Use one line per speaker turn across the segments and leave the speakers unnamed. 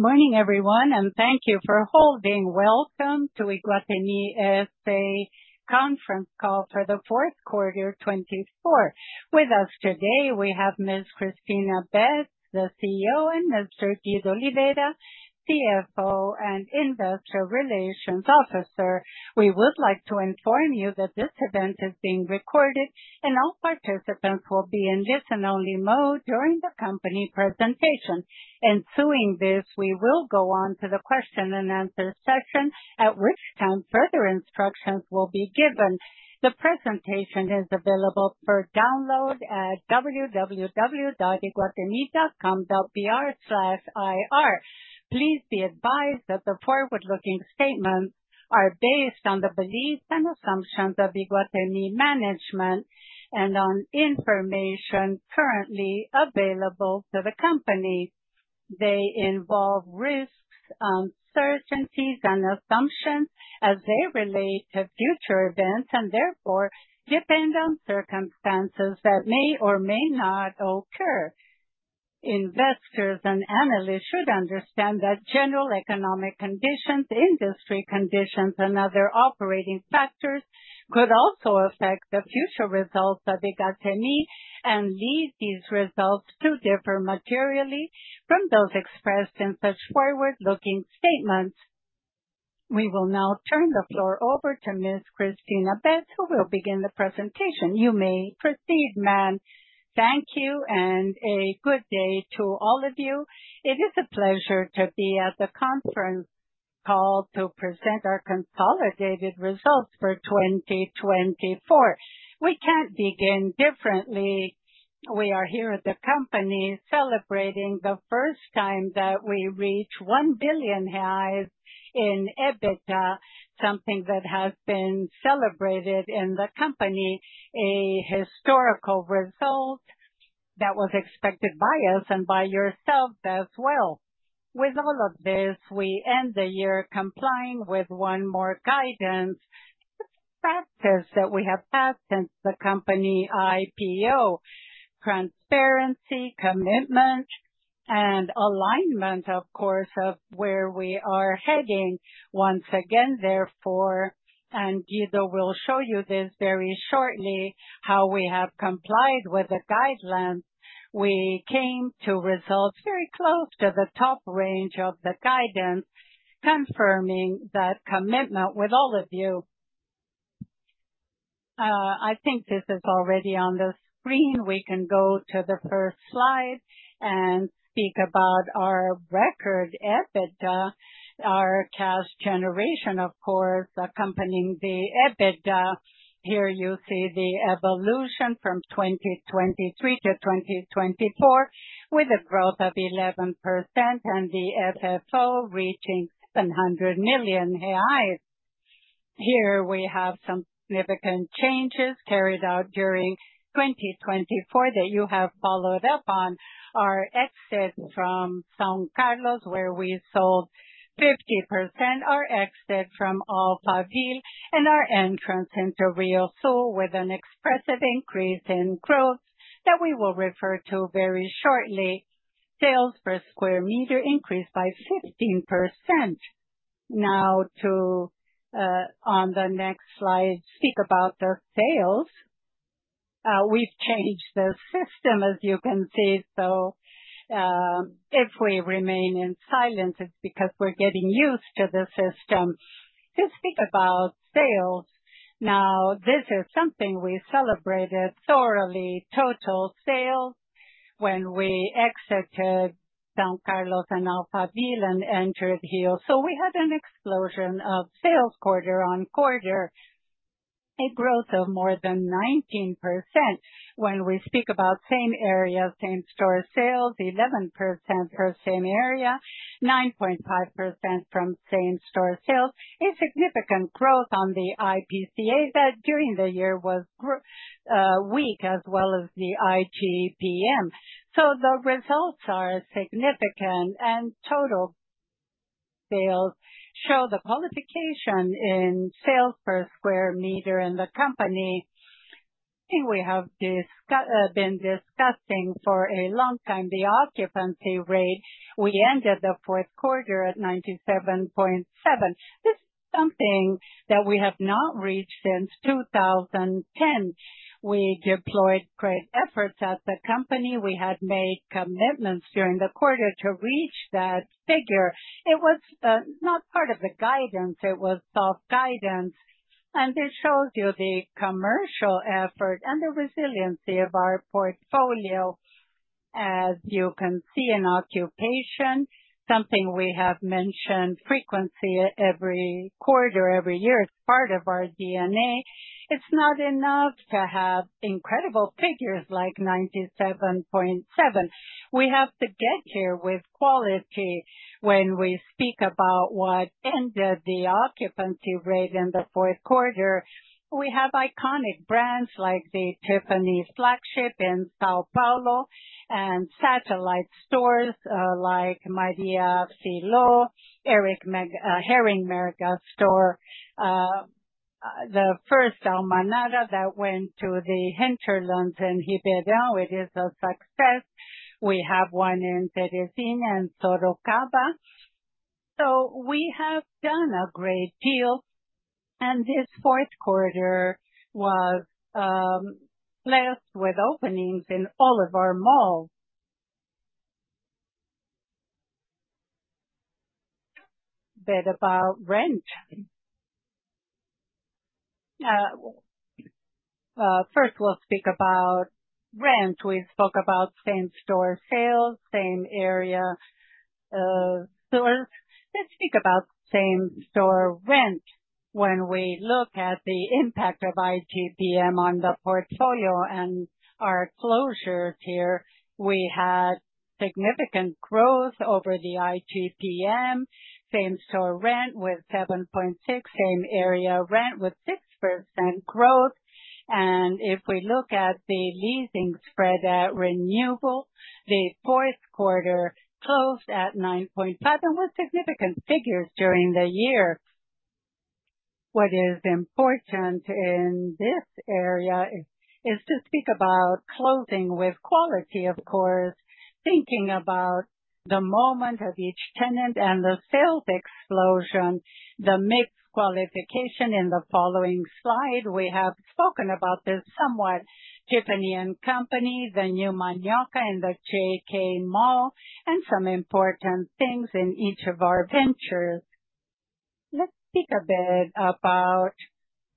Morning, everyone, and thank you for holding. Welcome to Iguatemi S.A. Conference Call for the Fourth Quarter 2024. With us today, we have Ms. Cristina Betts, the CEO, and Mr. Guido Oliveira, CFO and Investor Relations Officer. We would like to inform you that this event is being recorded, and all participants will be in listen-only mode during the company presentation. Ensuring this, we will go on to the question-and-answer session, at which time further instructions will be given. The presentation is available for download at www.iguatemi.com.br/ir. Please be advised that the forward-looking statements are based on the beliefs and assumptions of Iguatemi management and on information currently available to the company. They involve risks, uncertainties, and assumptions as they relate to future events and therefore depend on circumstances that may or may not occur. Investors and analysts should understand that general economic conditions, industry conditions, and other operating factors could also affect the future results of Iguatemi and lead these results to differ materially from those expressed in such forward-looking statements. We will now turn the floor over to Ms. Cristina Betts, who will begin the presentation. You may proceed, ma'am.
Thank you, and a good day to all of you. It is a pleasure to be at the conference call to present our consolidated results for 2024. We can't begin differently. We are here at the company celebrating the first time that we reached 1 billion reais in EBITDA, something that has been celebrated in the company, a historical result that was expected by us and by yourself as well. With all of this, we end the year complying with one more guidance practice that we have had since the company IPO: transparency, commitment, and alignment, of course, of where we are heading. Once again, therefore, and Guido will show you this very shortly, how we have complied with the guidelines. We came to results very close to the top range of the guidance, confirming that commitment with all of you. I think this is already on the screen. We can go to the first slide and speak about our record EBITDA, our cash generation, of course, accompanying the EBITDA. Here you see the evolution from 2023-2024, with a growth of 11% and the FFO reaching 700 million reais. Here we have some significant changes carried out during 2024 that you have followed up on: our exit from São Carlos, where we sold 50%, our exit from Alphaville, and our entrance into RIOSUL, with an expressive increase in growth that we will refer to very shortly. Sales per square meter increased by 15%. Now, on the next slide, speak about the sales. We've changed the system, as you can see. So if we remain in silence, it's because we're getting used to the system. To speak about sales, now, this is something we celebrated thoroughly: total sales when we exited São Carlos and Alphaville and entered RIOSUL. We had an explosion of sales quarter-on-quarter, a growth of more than 19%. When we speak about same area, same store sales, 11% per same area, 9.5% from same store sales, a significant growth on the IPCA that during the year was weak, as well as the IGP-M. The results are significant, and total sales show the qualification in sales per square meter in the company. I think we have been discussing for a long time the occupancy rate. We ended the fourth quarter at 97.7%. This is something that we have not reached since 2010. We deployed great efforts at the company. We had made commitments during the quarter to reach that figure. It was not part of the guidance. It was soft guidance. This shows you the commercial effort and the resiliency of our portfolio, as you can see in occupation, something we have mentioned frequently every quarter, every year. It's part of our DNA. It's not enough to have incredible figures like 97.7%. We have to get here with quality. When we speak about what ended the occupancy rate in the fourth quarter, we have iconic brands like the Tiffany's flagship in São Paulo and satellite stores like Maria Filó, Hering store, the first Almanara that went to the hinterland in Ribeirão. It is a success. We have one in Terezinha and Sorocaba. So we have done a great deal. And this fourth quarter was blessed with openings in all of our malls. A bit about rent. First, we'll speak about rent. We spoke about same store sales, same area stores. Let's speak about same store rent. When we look at the impact of IGP-M on the portfolio and our closures here, we had significant growth over the IGP-M, same store rent with 7.6%, same area rent with 6% growth. And if we look at the leasing spread at renewal, the fourth quarter closed at 9.5% and with significant figures during the year. What is important in this area is to speak about closing with quality, of course, thinking about the moment of each tenant and the sales explosion, the mixed qualification in the following slide. We have spoken about this somewhat: Tiffany & Company, the new Manioca in the JK Mall, and some important things in each of our ventures. Let's speak a bit about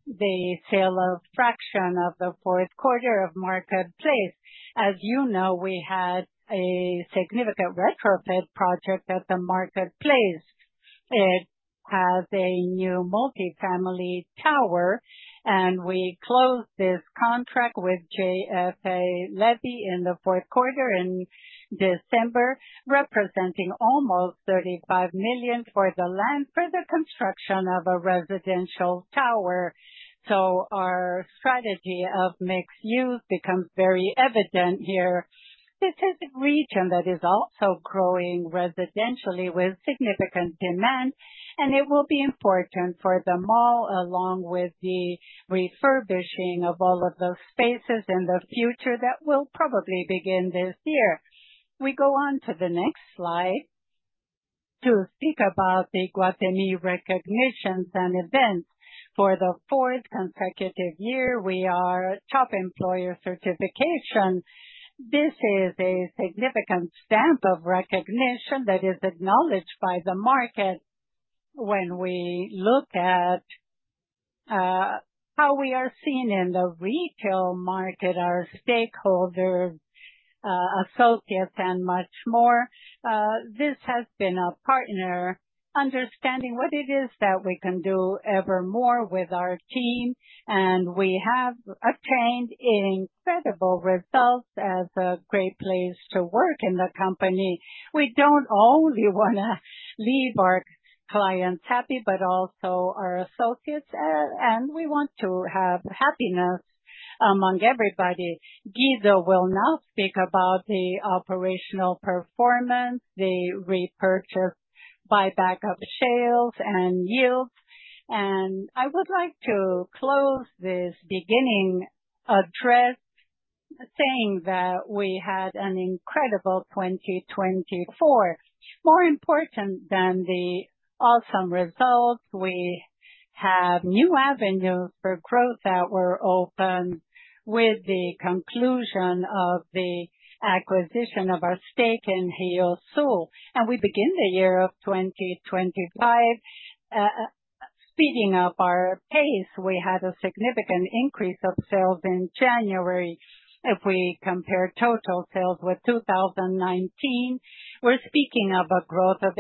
the sale of a fraction of the fourth quarter of Market Place. As you know, we had a significant retrofit project at the Market Place. It has a new multifamily tower, and we closed this contract with JFL Living in the fourth quarter in December, representing almost 35 million for the land for the construction of a residential tower. So our strategy of mixed use becomes very evident here. This is a region that is also growing residentially with significant demand, and it will be important for the mall, along with the refurbishing of all of those spaces in the future that will probably begin this year. We go on to the next slide to speak about the Iguatemi recognitions and events. For the fourth consecutive year, we are Top Employer certification. This is a significant stamp of recognition that is acknowledged by the market. When we look at how we are seen in the retail market, our stakeholders, associates, and much more, this has been a partner understanding what it is that we can do ever more with our team. And we have obtained incredible results as a great place to work in the company. We don't only want to leave our clients happy, but also our associates, and we want to have happiness among everybody. Guido will now speak about the operational performance, the repurchase, buyback of shares, and yields. I would like to close this beginning address saying that we had an incredible 2024. More important than the awesome results, we have new avenues for growth that were opened with the conclusion of the acquisition of our stake in RIOSUL. We begin the year of 2025 speeding up our pace. We had a significant increase of sales in January. If we compare total sales with 2019, we're speaking of a growth of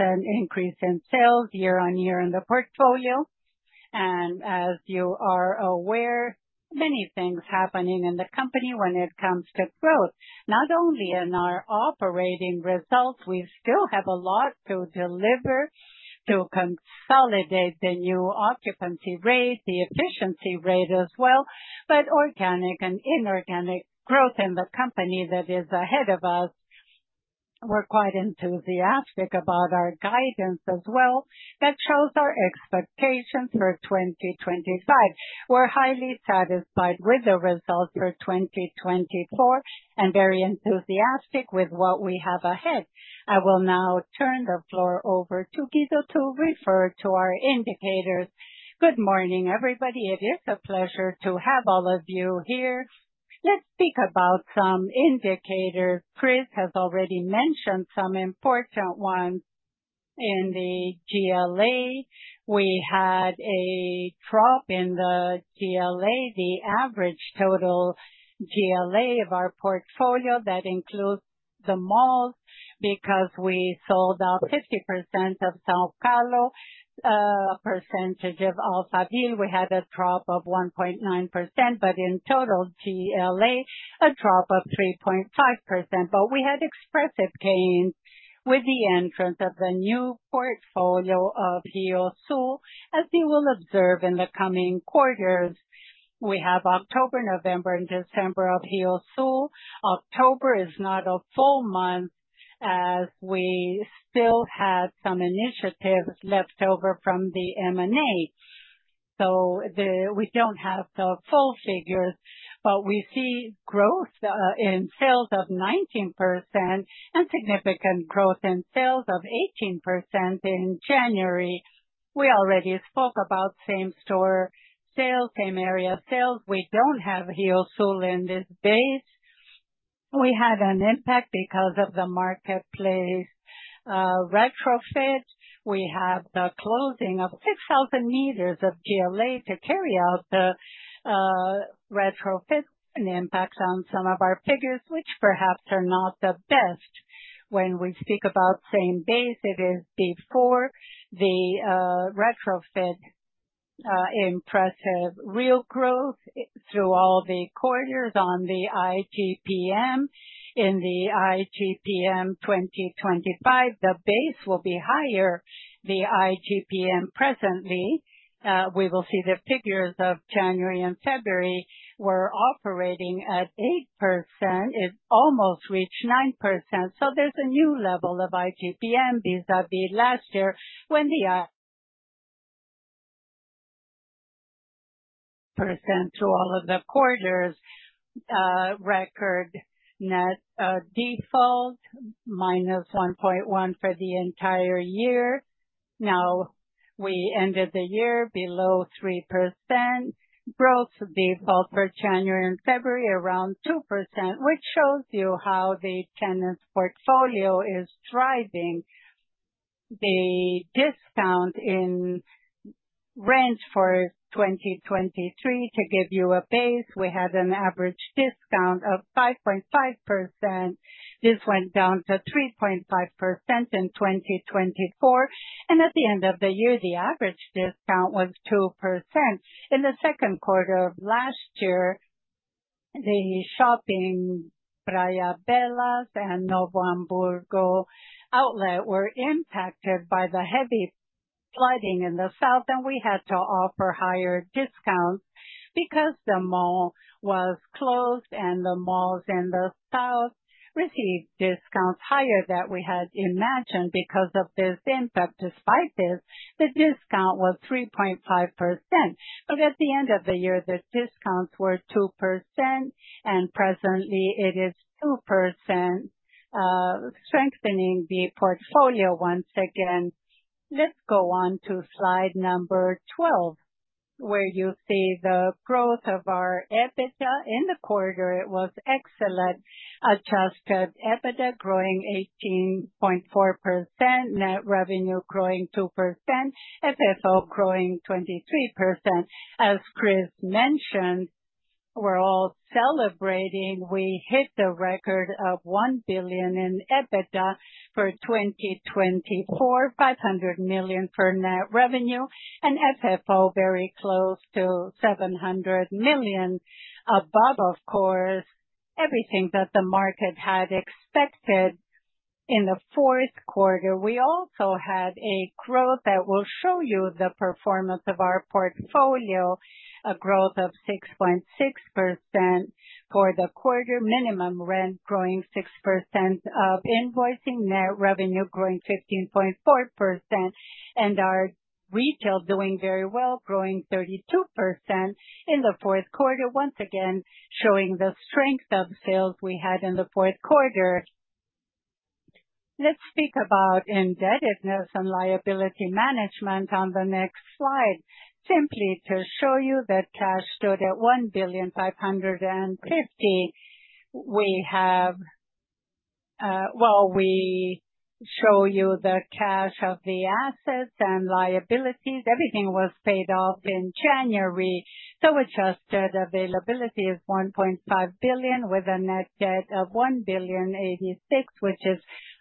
18% increase in sales year-on-year in the portfolio. As you are aware, many things are happening in the company when it comes to growth, not only in our operating results. We still have a lot to deliver to consolidate the new occupancy rate, the efficiency rate as well, but organic and inorganic growth in the company that is ahead of us. We're quite enthusiastic about our guidance as well. That shows our expectations for 2025. We're highly satisfied with the results for 2024 and very enthusiastic with what we have ahead. I will now turn the floor over to Guido to refer to our indicators.
Good morning, everybody. It is a pleasure to have all of you here. Let's speak about some indicators. Cris has already mentioned some important ones. In the GLA, we had a drop in the GLA, the average total GLA of our portfolio that includes the malls, because we sold out 50% of São Carlos, a percentage of Alphaville. We had a drop of 1.9%, but in total GLA, a drop of 3.5%. But we had expressive gains with the entrance of the new portfolio of RIOSUL, as you will observe in the coming quarters. We have October, November, and December of RIOSUL. October is not a full month, as we still had some initiatives left over from the M&A. So we don't have the full figures, but we see growth in sales of 19% and significant growth in sales of 18% in January. We already spoke about same store sales, same area sales. We don't have RIOSUL in this base. We had an impact because of the Market Place retrofit. We have the closing of 6,000 meters of GLA to carry out the retrofit. An impact on some of our figures, which perhaps are not the best. When we speak about same base, it is before the retrofit. Impressive real growth through all the quarters on the IGP-M. In the IGP-M 2025, the base will be higher than the IGP-M presently. We will see the figures of January and February. We're operating at 8%. It almost reached 9%, so there's a new level of IGP-M vis-à-vis last year when the percent through all of the quarters record net default -1.1% for the entire year. Now we ended the year below 3%. Growth default for January and February around 2%, which shows you how the tenant's portfolio is driving the discount in rent for 2023. To give you a base, we had an average discount of 5.5%. This went down to 3.5% in 2024, and at the end of the year, the average discount was 2%. In the second quarter of last year, the shopping Praia de Belas and Novo Hamburgo Outlet were impacted by the heavy flooding in the south, and we had to offer higher discounts because the mall was closed and the malls in the south received discounts higher than we had imagined because of this impact. Despite this, the discount was 3.5%. But at the end of the year, the discounts were 2%, and presently it is 2%, strengthening the portfolio once again. Let's go on to slide number 12, where you see the growth of our EBITDA in the quarter. It was excellent. Adjusted EBITDA growing 18.4%. Net revenue growing 2%. FFO growing 23%. As Cris mentioned, we're all celebrating. We hit the record of 1 billion in EBITDA for 2024, 500 million for net revenue, and FFO very close to 700 million above, of course, everything that the market had expected. In the fourth quarter, we also had a growth that will show you the performance of our portfolio, a growth of 6.6% for the quarter, minimum rent growing 6% of invoicing, net revenue growing 15.4%, and our retail doing very well, growing 32% in the fourth quarter, once again showing the strength of sales we had in the fourth quarter. Let's speak about indebtedness and liability management on the next slide. Simply to show you that cash stood at 1,550,000,000. We have, well, we show you the cash of the assets and liabilities. Everything was paid off in January. So adjusted availability is 1.5 billion with a net debt of 1,086,000,000, which is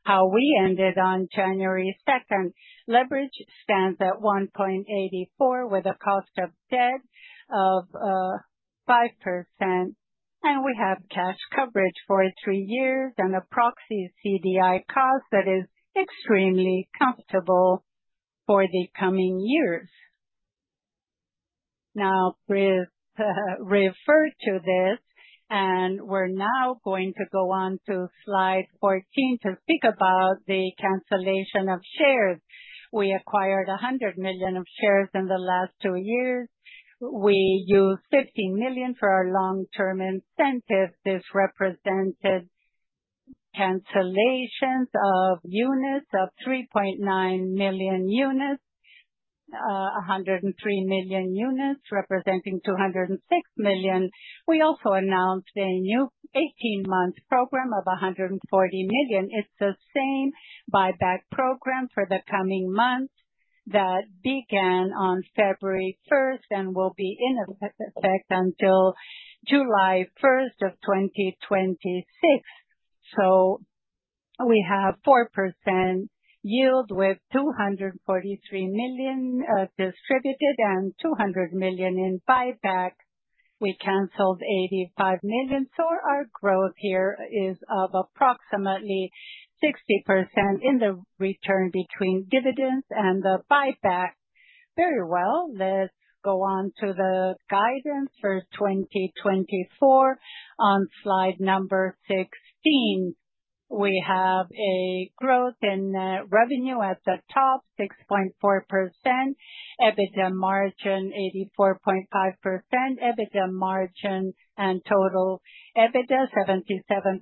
how we ended on January 2nd. Leverage stands at 1.84% with a cost of debt of 5%. We have cash coverage for three years and a proxy CDI cost that is extremely comfortable for the coming years. Now, Cris referred to this, and we're now going to go on to slide 14 to speak about the cancellation of shares. We acquired 100 million of shares in the last two years. We used 15 million for our long-term incentives. This represented cancellations of units of 3.9 million units, 103 million units representing 206 million. We also announced a new 18-month program of 140 million. It's the same buyback program for the coming months that began on February 1st and will be in effect until July 1st of 2026. So we have 4% yield with 243 million distributed and 200 million in buyback. We canceled 85 million, so our growth here is of approximately 60% in the return between dividends and the buyback. Very well. Let's go on to the guidance for 2024. On slide number 16, we have a growth in revenue at the top, 6.4%. EBITDA margin 84.5%. EBITDA margin and total EBITDA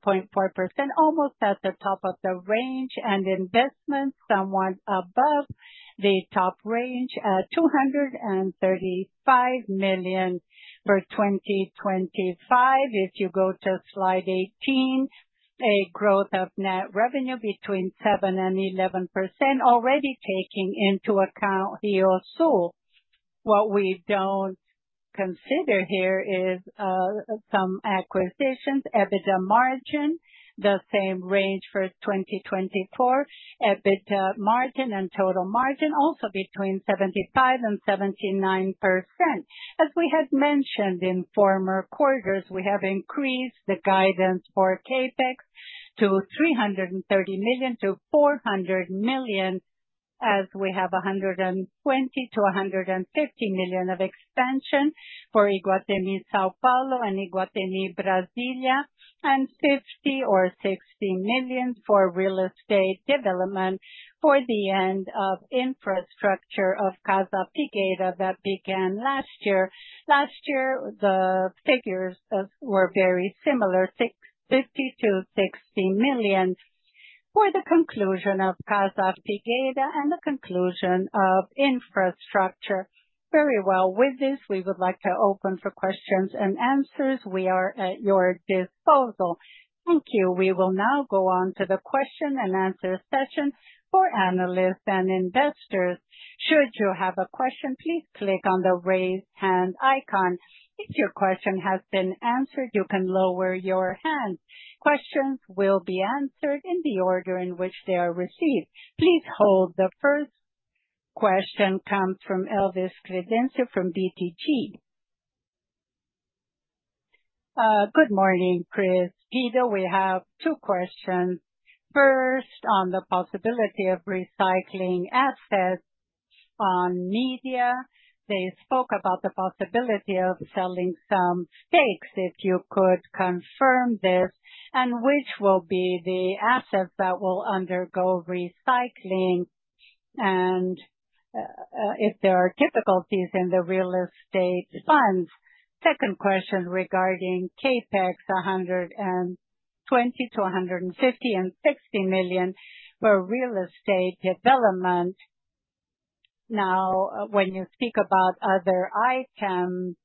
77.4%, almost at the top of the range, and investments somewhat above the top range at 235 million for 2025. If you go to slide 18, a growth of net revenue between 7% and 11%, already taking into account RIOSUL. What we don't consider here is some acquisitions. EBITDA margin, the same range for 2024. EBITDA margin and total margin also between 75% and 79%. As we had mentioned in former quarters, we have increased the guidance for CapEx to 330 million-400 million, as we have 120 million-150 million of expansion for Iguatemi São Paulo, and Iguatemi Brasília, and 50 million or 60 million for real estate development for the end of infrastructure of Casa Figueira that began last year. Last year, the figures were very similar, 50 million-60 million for the conclusion of Casa Figueira and the conclusion of infrastructure. Very well. With this, we would like to open for questions and answers. We are at your disposal. Thank you.
We will now go on to the question and answer session for analysts and investors. Should you have a question, please click on the raise hand icon. If your question has been answered, you can lower your hand. Questions will be answered in the order in which they are received. Please hold. The first question comes from Elvis Credendio from BTG.
Good morning, Cristina. Guido, we have two questions. First, on the possibility of recycling assets on media. They spoke about the possibility of selling some stakes. If you could confirm this, and which will be the assets that will undergo recycling and if there are difficulties in the real estate funds. Second question regarding CapEx, 120 million-150 million and 60 million for real estate development. Now, when you speak about other items,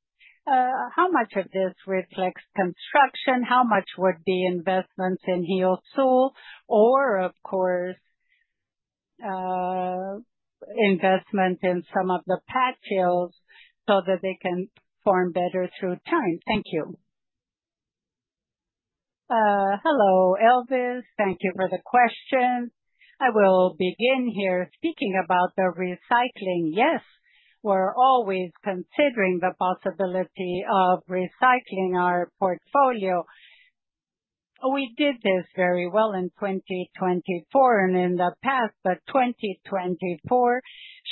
how much of this reflects construction? How much would be investments in RIOSUL or, of course, investment in some of the Pátio so that they can perform better through time? Thank you.
Hello, Elvis. Thank you for the question. I will begin here speaking about the recycling. Yes, we're always considering the possibility of recycling our portfolio. We did this very well in 2024 and in the past, but 2024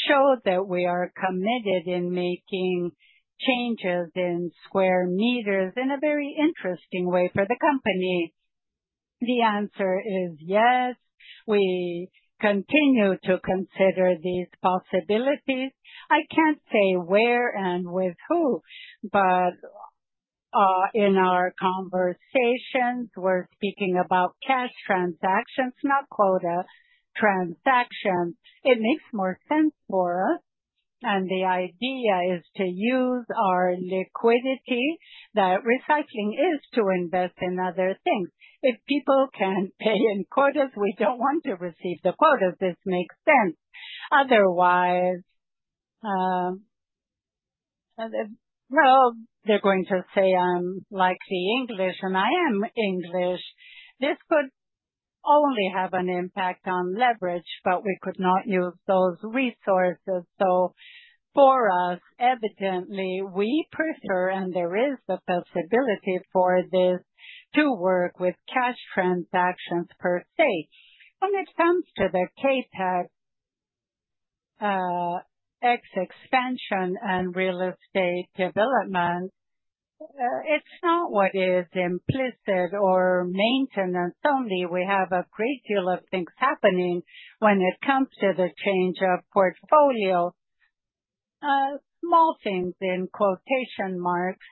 showed that we are committed in making changes in square meters in a very interesting way for the company. The answer is yes. We continue to consider these possibilities. I can't say where and with who, but in our conversations, we're speaking about cash transactions, not quota transactions. It makes more sense for us, and the idea is to use our liquidity that recycling is to invest in other things. If people can pay in quotas, we don't want to receive the quotas. This makes sense. Otherwise, well, they're going to say I'm likely English, and I am English. This could only have an impact on leverage, but we could not use those resources. For us, evidently, we prefer, and there is the possibility for this to work with cash transactions per se. When it comes to the CapEx expansion and real estate development, it's not what is implicit or maintenance only. We have a great deal of things happening when it comes to the change of portfolio. Small things in quotation marks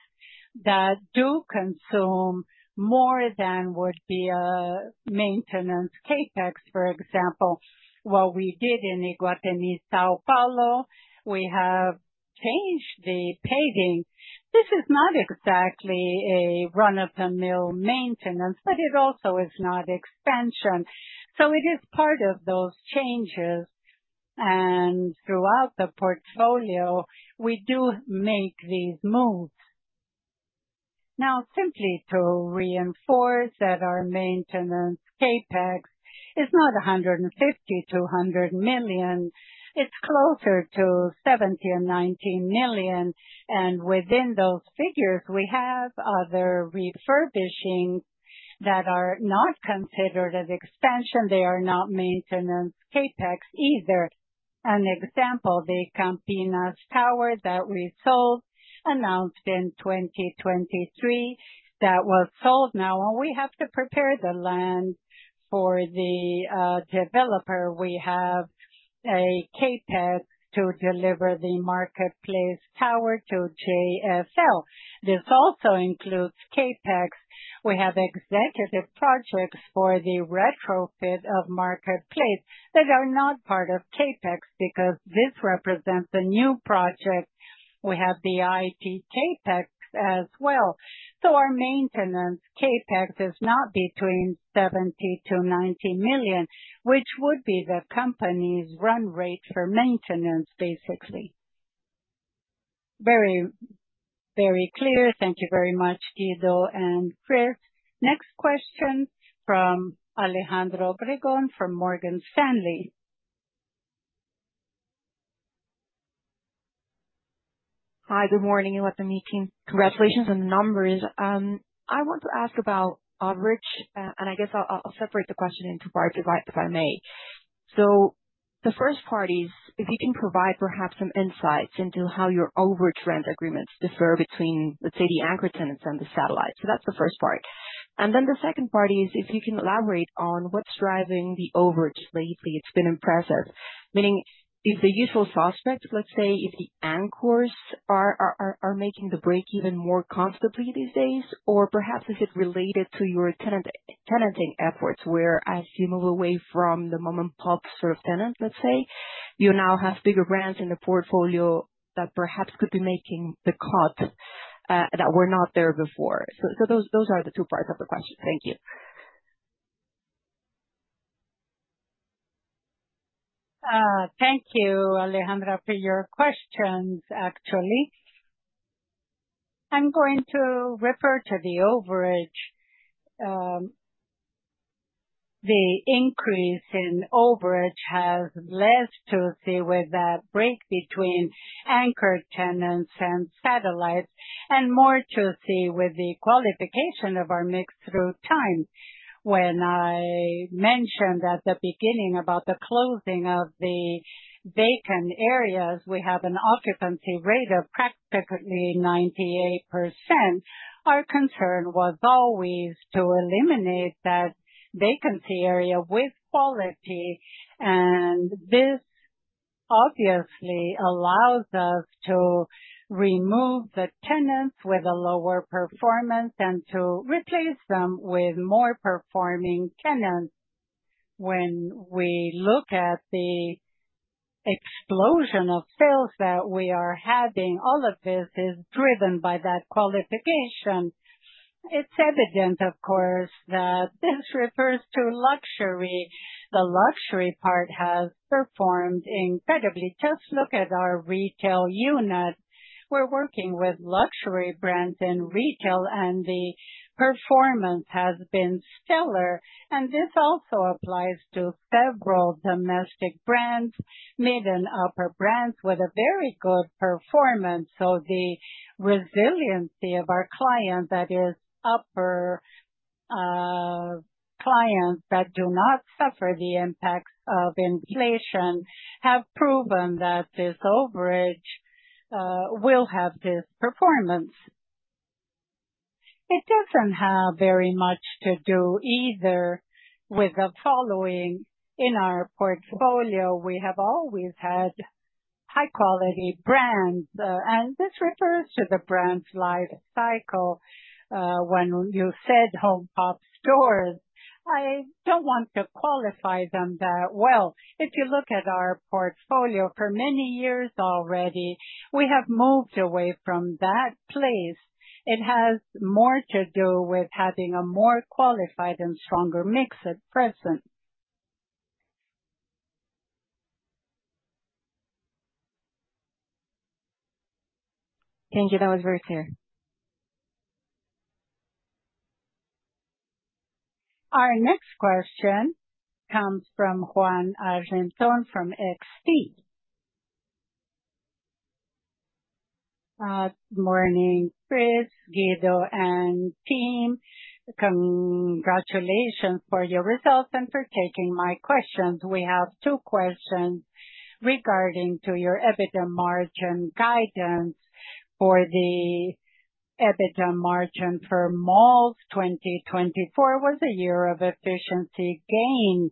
that do consume more than would be a maintenance CapEx, for example. What we did in Iguatemi São Paulo, we have changed the paving. This is not exactly a run-of-the-mill maintenance, but it also is not expansion. So it is part of those changes. And throughout the portfolio, we do make these moves.
Now, simply to reinforce that our maintenance CapEx is not 150 million-200 million. It's closer to 70 million and 90 million. And within those figures, we have other refurbishings that are not considered as expansion. They are not maintenance CapEx either. An example, the Campinas Tower that we sold, announced in 2023, that was sold now. We have to prepare the land for the developer. We have a CapEx to deliver the Market Place Tower to JFL. This also includes CapEx. We have executive projects for the retrofit of Market Place that are not part of CapEx because this represents a new project. We have the IT CapEx as well. So our maintenance CapEx is not between 70 million-90 million, which would be the company's run rate for maintenance, basically.
Very, very clear. Thank you very much, Guido and Cris.
Next question from Alejandra Obregon from Morgan Stanley.
Hi, good morning, Iguatemi team. Congratulations on the numbers. I want to ask about average, and I guess I'll separate the question into parts if I may. The first part is if you can provide perhaps some insights into how your overage rent agreements differ between, let's say, the anchor tenants and the satellites. That's the first part. Then the second part is if you can elaborate on what's driving the overage lately. It's been impressive. Meaning, is the usual suspect, let's say, if the anchors are making the break even more constantly these days? Or perhaps is it related to your tenanting efforts where, as you move away from the mom-and-pop sort of tenant, let's say, you now have bigger brands in the portfolio that perhaps could be making the cut that were not there before? Those are the two parts of the question. Thank you.
Thank you, Alejandra, for your questions, actually. I'm going to refer to the overage. The increase in overage has less to do with that break between anchor tenants and satellites and more to do with the qualification of our mix through time. When I mentioned at the beginning about the closing of the vacant areas, we have an occupancy rate of practically 98%. Our concern was always to eliminate that vacancy area with quality. This obviously allows us to remove the tenants with a lower performance and to replace them with more performing tenants. When we look at the explosion of sales that we are having, all of this is driven by that qualification. It's evident, of course, that this refers to luxury. The luxury part has performed incredibly. Just look at our retail unit. We're working with luxury brands in retail, and the performance has been stellar. This also applies to several domestic brands, mid and upper brands with a very good performance. The resiliency of our clients that is upper clients that do not suffer the impacts of inflation have proven that this overage will have this performance. It doesn't have very much to do either with the following in our portfolio. We have always had high-quality brands, and this refers to the brand's life cycle. When you said mom and pop stores, I don't want to qualify them that well. If you look at our portfolio for many years already, we have moved away from that place. It has more to do with having a more qualified and stronger mix at present.
Thank you. That was very clear.
Our next question comes from Ruan Argenton from XP.
Good morning, Cris, Guido, and team. Congratulations for your results and for taking my questions. We have two questions regarding your EBITDA margin guidance for the EBITDA margin for malls 2024. Was a year of efficiency gain,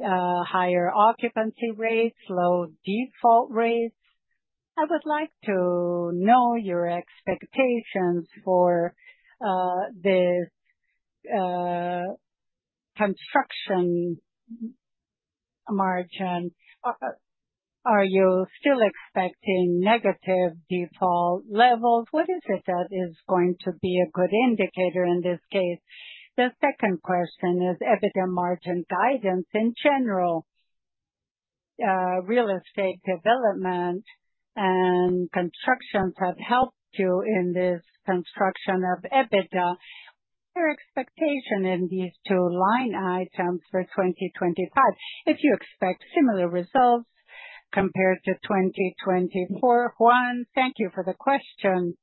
higher occupancy rates, low default rates? I would like to know your expectations for this construction margin. Are you still expecting negative default levels? What is it that is going to be a good indicator in this case? The second question is EBITDA margin guidance in general. Real estate development and constructions have helped you in this construction of EBITDA. Your expectation in these two line items for 2025? If you expect similar results compared to 2024.
Ruan, thank you for the question.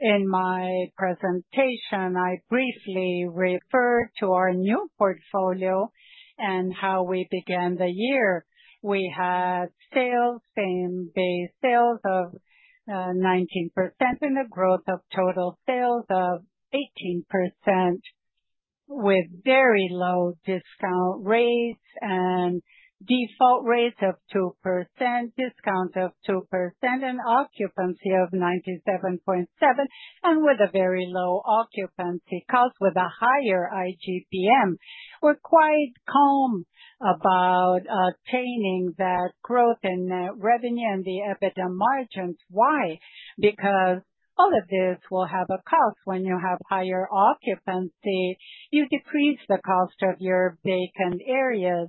In my presentation, I briefly referred to our new portfolio and how we began the year. We had sales-same based sales of 19% and a growth of total sales of 18% with very low discount rates and default rates of 2%, discount of 2%, and occupancy of 97.7% and with a very low occupancy cost with a higher IGP-M. We're quite calm about attaining that growth in revenue and the EBITDA margins. Why? Because all of this will have a cost. When you have higher occupancy, you decrease the cost of your vacant areas.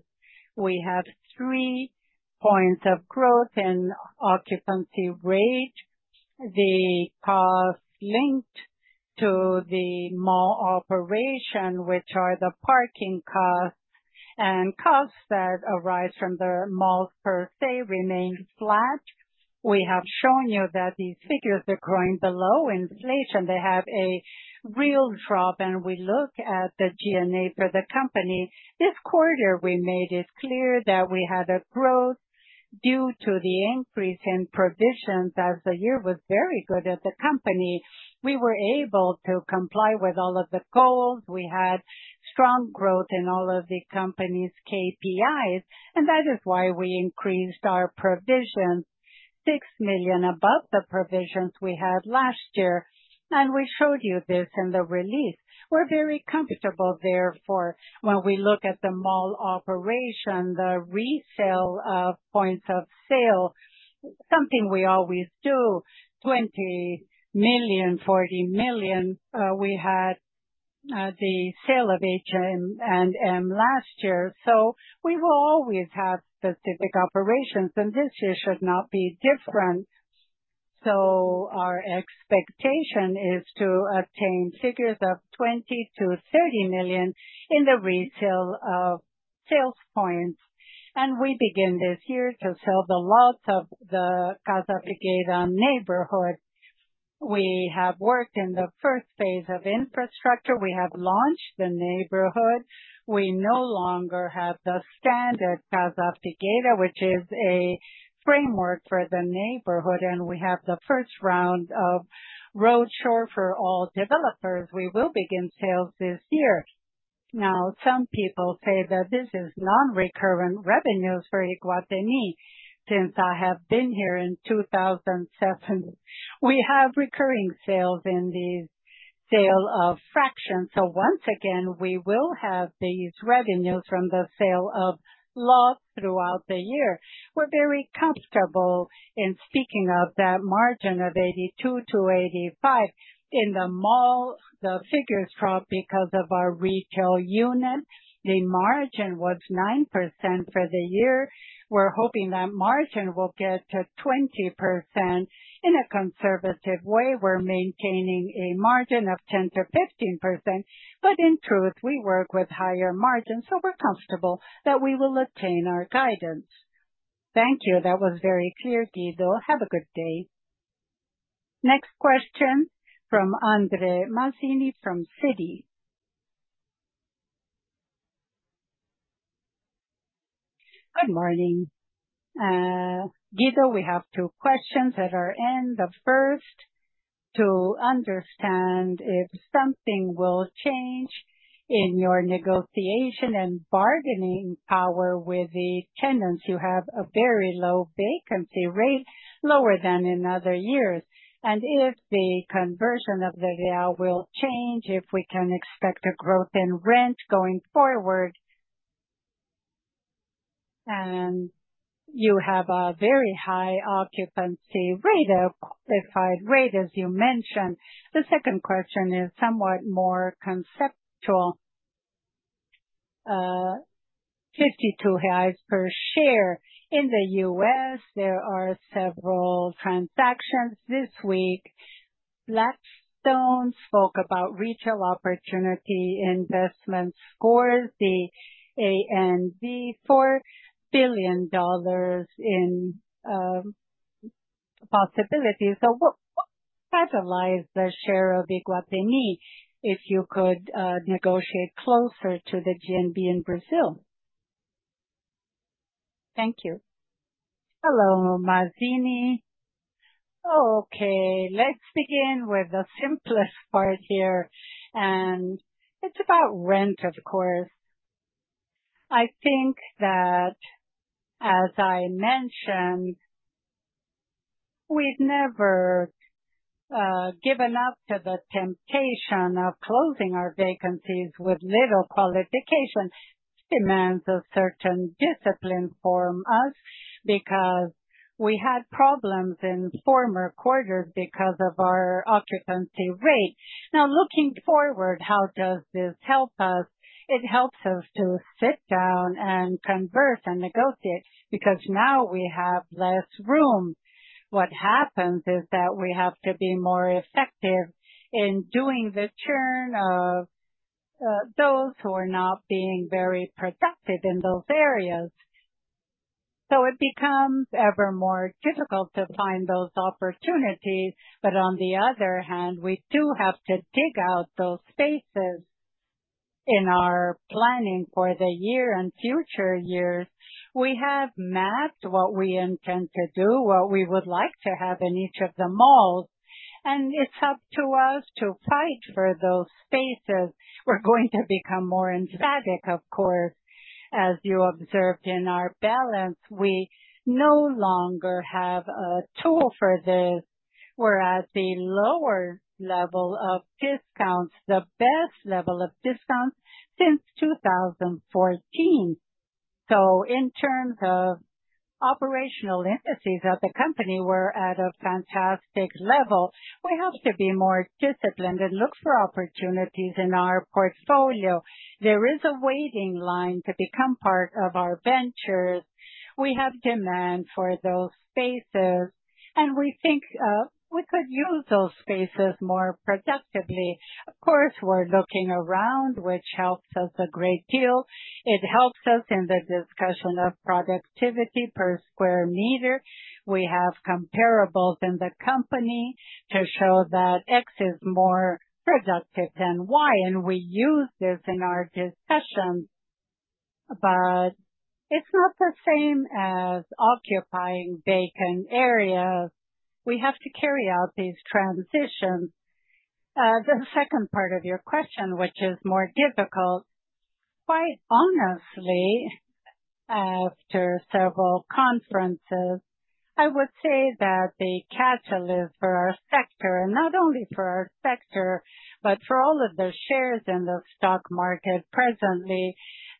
We have three points of growth in occupancy rate. The cost linked to the mall operation, which are the parking costs and costs that arise from the malls per se, remain flat. We have shown you that these figures are growing below inflation. They have a real drop, and we look at the G&A for the company. This quarter, we made it clear that we had a growth due to the increase in provisions as the year was very good at the company. We were able to comply with all of the goals. We had strong growth in all of the company's KPIs. That is why we increased our provisions 6 million above the provisions we had last year. We showed you this in the release. We're very comfortable therefore when we look at the mall operation, the resale of points of sale, something we always do, 20 million, 40 million. We had the sale of H&M last year. We will always have specific operations. This year should not be different. Our expectation is to attain figures of 20 million-30 million in the resale of sales points. We begin this year to sell the lots of the Casa Figueira neighborhood. We have worked in the first phase of infrastructure. We have launched the neighborhood. We no longer have the standard Casa Figueira, which is a framework for the neighborhood. And we have the first round of roadshow for all developers. We will begin sales this year. Now, some people say that this is non-recurrent revenues for Iguatemi. Since I have been here in 2007, we have recurring sales in the sale of fractions. So once again, we will have these revenues from the sale of lots throughout the year. We're very comfortable in speaking of that margin of 82%-85%. In the mall, the figures dropped because of our retail unit. The margin was 9% for the year. We're hoping that margin will get to 20% in a conservative way. We're maintaining a margin of 10%-15%. But in truth, we work with higher margins. So we're comfortable that we will attain our guidance.
Thank you. That was very clear, Guido. Have a good day.
Next question from André Mazini from Citi.
Good morning. Guido, we have two questions at our end. The first, to understand if something will change in your negotiation and bargaining power with the tenants. You have a very low vacancy rate, lower than in other years. And if the conversion of the real will change, if we can expect a growth in rent going forward. And you have a very high occupancy rate, a qualified rate, as you mentioned. The second question is somewhat more conceptual. 52 per share. In the US, there are several transactions this week. Blackstone spoke about Retail Opportunity Investments Corp., the NAV, $4 billion in possibilities. So what capitalize the share of Iguatemi if you could negotiate closer to the G&B in Brazil?
Thank you. Hello, Mazini. Okay, let's begin with the simplest part here, and it's about rent, of course. I think that, as I mentioned, we've never given up to the temptation of closing our vacancies with little qualification. It demands a certain discipline from us because we had problems in former quarters because of our occupancy rate. Now, looking forward, how does this help us? It helps us to sit down and converse and negotiate because now we have less room. What happens is that we have to be more effective in doing the churn of those who are not being very productive in those areas, so it becomes ever more difficult to find those opportunities, but on the other hand, we do have to dig out those spaces in our planning for the year and future years. We have mapped what we intend to do, what we would like to have in each of the malls. It's up to us to fight for those spaces. We're going to become more emphatic, of course. As you observed in our balance, we no longer have a tool for this. We're at the lower level of discounts, the best level of discounts since 2014, so in terms of operational indices at the company, we're at a fantastic level. We have to be more disciplined and look for opportunities in our portfolio. There is a waiting line to become part of our ventures. We have demand for those spaces. We think we could use those spaces more productively. Of course, we're looking around, which helps us a great deal. It helps us in the discussion of productivity per square meter. We have comparables in the company to show that X is more productive than Y, and we use this in our discussion, but it's not the same as occupying vacant areas. We have to carry out these transitions. The second part of your question, which is more difficult, quite honestly, after several conferences, I would say that the catalyst for our sector, and not only for our sector, but for all of the shares in the stock market presently,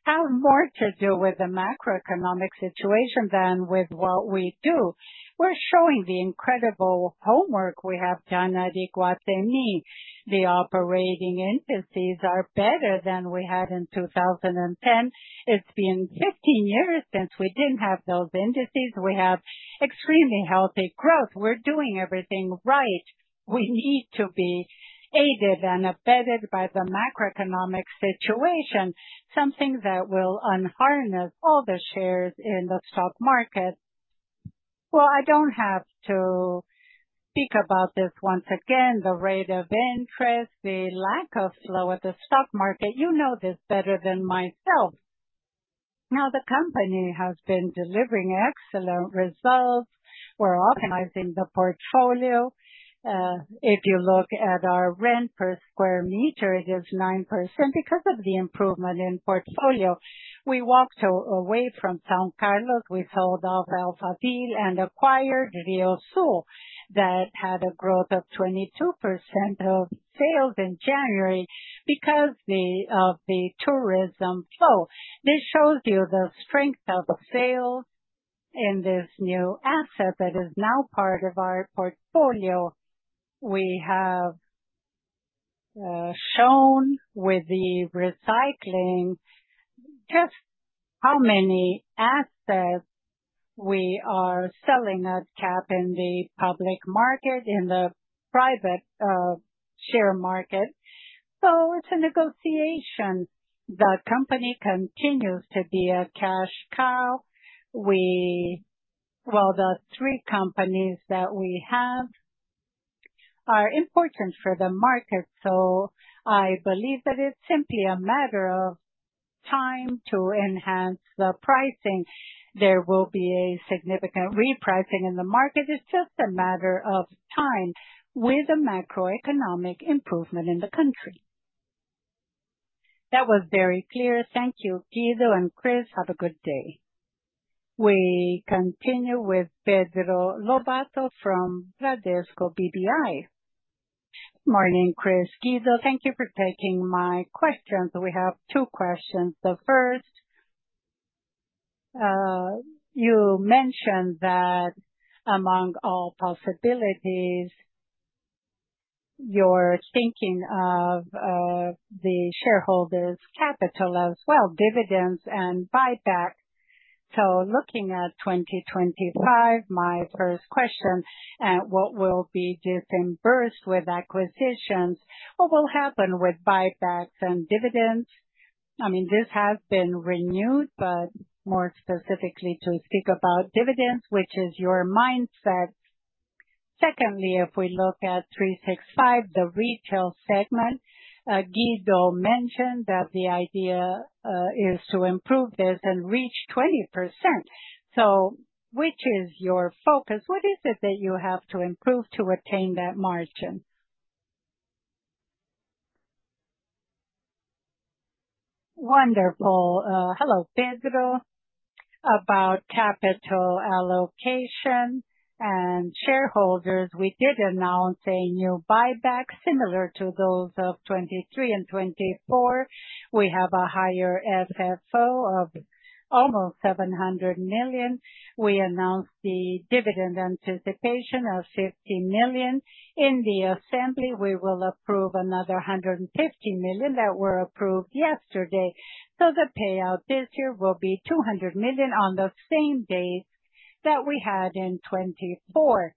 have more to do with the macroeconomic situation than with what we do. We're showing the incredible homework we have done at Iguatemi. The operating indices are better than we had in 2010. It's been 15 years since we didn't have those indices. We have extremely healthy growth. We're doing everything right. We need to be aided and abetted by the macroeconomic situation, something that will unharness all the shares in the stock market.
I don't have to speak about this once again. The rate of interest, the lack of flow at the stock market, you know this better than myself. Now, the company has been delivering excellent results. We're optimizing the portfolio. If you look at our rent per square meter, it is 9% because of the improvement in portfolio. We walked away from São Carlos. We sold off Alphaville and acquired RIOSUL that had a growth of 22% of sales in January because of the tourism flow. This shows you the strength of sales in this new asset that is now part of our portfolio. We have shown with the recycling just how many assets we are selling at cap in the public market, in the private share market. So it's a negotiation. The company continues to be a cash cow. Well, the three companies that we have are important for the market. So I believe that it's simply a matter of time to enhance the pricing. There will be a significant repricing in the market. It's just a matter of time with the macroeconomic improvement in the country.
That was very clear. Thank you, Guido and Cris. Have a good day.
We continue with Pedro Lobato from Bradesco BBI.
Good morning, Cris. Guido, thank you for taking my questions. We have two questions. The first, you mentioned that among all possibilities, you're thinking of the shareholders' capital as well, dividends and buyback. So looking at 2025, my first question, what will be disbursed with acquisitions? What will happen with buybacks and dividends? I mean, this has been renewed, but more specifically to speak about dividends, which is your mindset. Secondly, if we look at 365, the retail segment, Guido mentioned that the idea is to improve this and reach 20%. So which is your focus? What is it that you have to improve to attain that margin?
Wonderful. Hello, Pedro. About capital allocation and shareholders, we did announce a new buyback similar to those of 2023 and 2024. We have a higher FFO of almost 700 million. We announced the dividend anticipation of 50 million. In the assembly, we will approve another 150 million that were approved yesterday. So the payout this year will be 200 million on the same date that we had in 2024.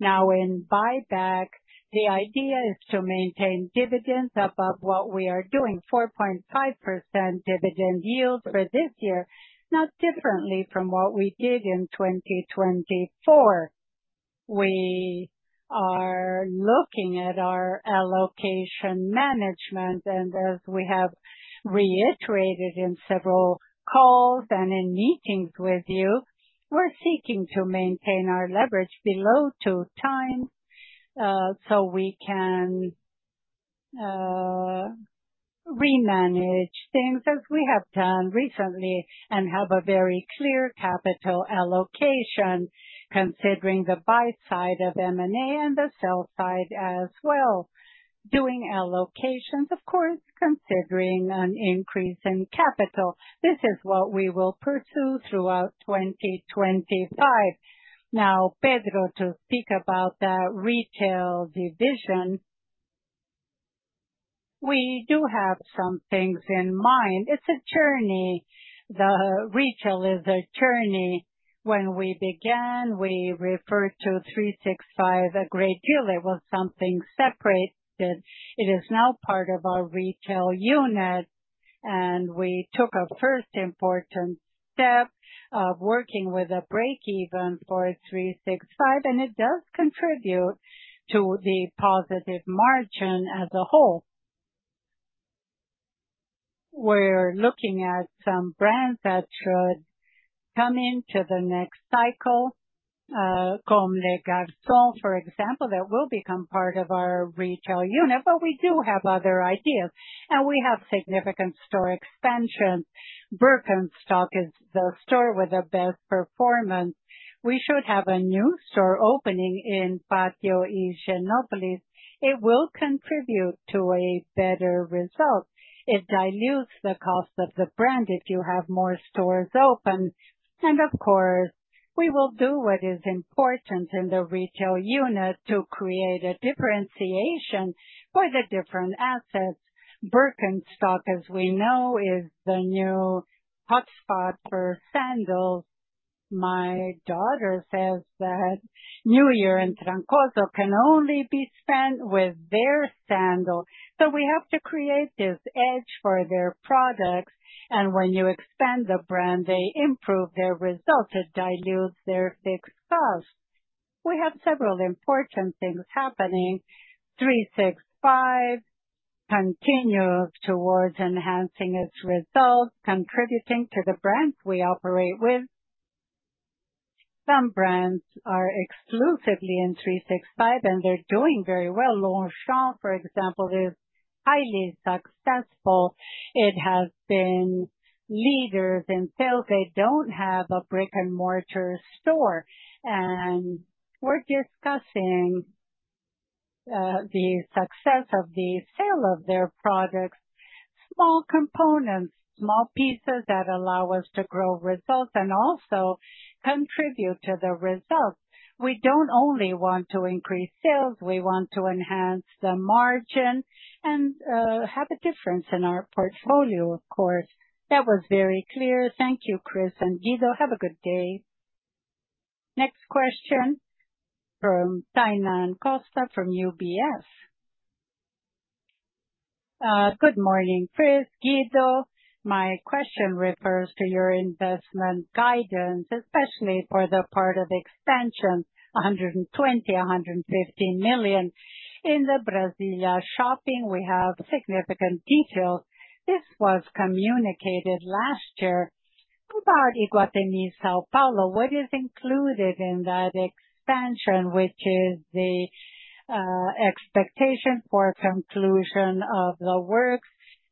Now, in buyback, the idea is to maintain dividends above what we are doing, 4.5% dividend yield for this year, not differently from what we did in 2024. We are looking at our allocation management. And as we have reiterated in several calls and in meetings with you, we're seeking to maintain our leverage below two times so we can remanage things as we have done recently and have a very clear capital allocation, considering the buy side of M&A and the sell side as well. Doing allocations, of course, considering an increase in capital. This is what we will pursue throughout 2025.
Now, Pedro, to speak about that retail division, we do have some things in mind. It's a journey. The retail is a journey. When we began, we referred to 365 a great deal. It was something separated. It is now part of our retail unit. We took a first important step of working with a breakeven for 365. It does contribute to the positive margin as a whole. We're looking at some brands that should come into the next cycle, Comme des Garçons, for example, that will become part of our retail unit. We do have other ideas. We have significant store expansions. Birkenstock is the store with the best performance. We should have a new store opening in Pátio Higienópolis. It will contribute to a better result. It dilutes the cost of the brand if you have more stores open. Of course, we will do what is important in the retail unit to create a differentiation for the different assets. Birkenstock, as we know, is the new hotspot for sandals. My daughter says that New Year in Trancoso can only be spent with their sandal. So we have to create this edge for their products. And when you expand the brand, they improve their results. It dilutes their fixed costs. We have several important things happening. 365 continues towards enhancing its results, contributing to the brands we operate with. Some brands are exclusively in 365, and they're doing very well. Longchamp, for example, is highly successful. It has been leaders in sales. They don't have a brick-and-mortar store. And we're discussing the success of the sale of their products, small components, small pieces that allow us to grow results and also contribute to the results. We don't only want to increase sales. We want to enhance the margin and have a difference in our portfolio, of course.
That was very clear. Thank you, Cris and Guido. Have a good day.
Next question from Tainan Costa from UBS.
Good morning, Cris, Guido, my question refers to your investment guidance, especially for the part of expansion, 120-150 million. In the Brasília shopping, we have significant details. This was communicated last year about Iguatemi São Paulo. What is included in that expansion, which is the expectation for conclusion of the works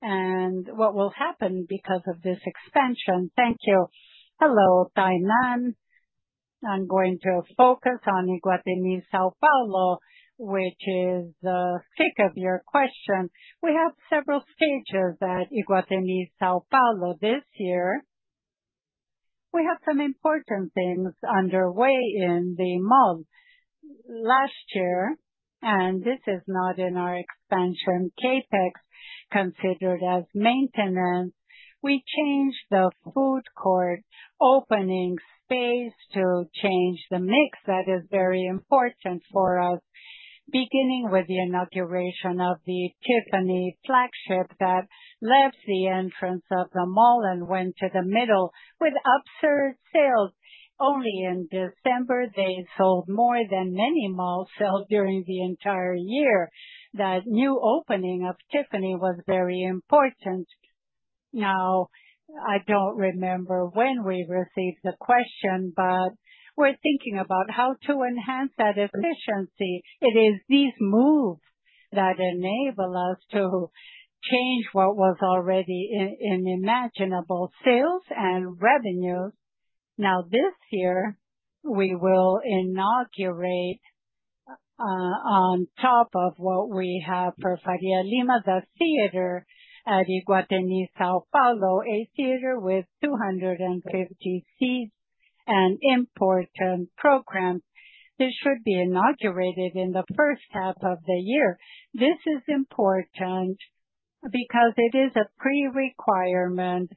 and what will happen because of this expansion?
Thank you. Hello, Tainan. I'm going to focus on Iguatemi São Paulo, which is the stick of your question. We have several stages at Iguatemi São Paulo this year. We have some important things underway in the mall. Last year, and this is not in our expansion CapEx considered as maintenance, we changed the food court opening space to change the mix that is very important for us, beginning with the inauguration of the Tiffany flagship that left the entrance of the mall and went to the middle with absurd sales. Only in December, they sold more than many malls sell during the entire year. That new opening of Tiffany was very important. Now, I don't remember when we received the question, but we're thinking about how to enhance that efficiency. It is these moves that enable us to change what was already unimaginable sales and revenues. Now, this year, we will inaugurate on top of what we have for Faria Lima, the theater at Iguatemi São Paulo, a theater with 250 seats and important programs. This should be inaugurated in the first half of the year. This is important because it is a pre requirement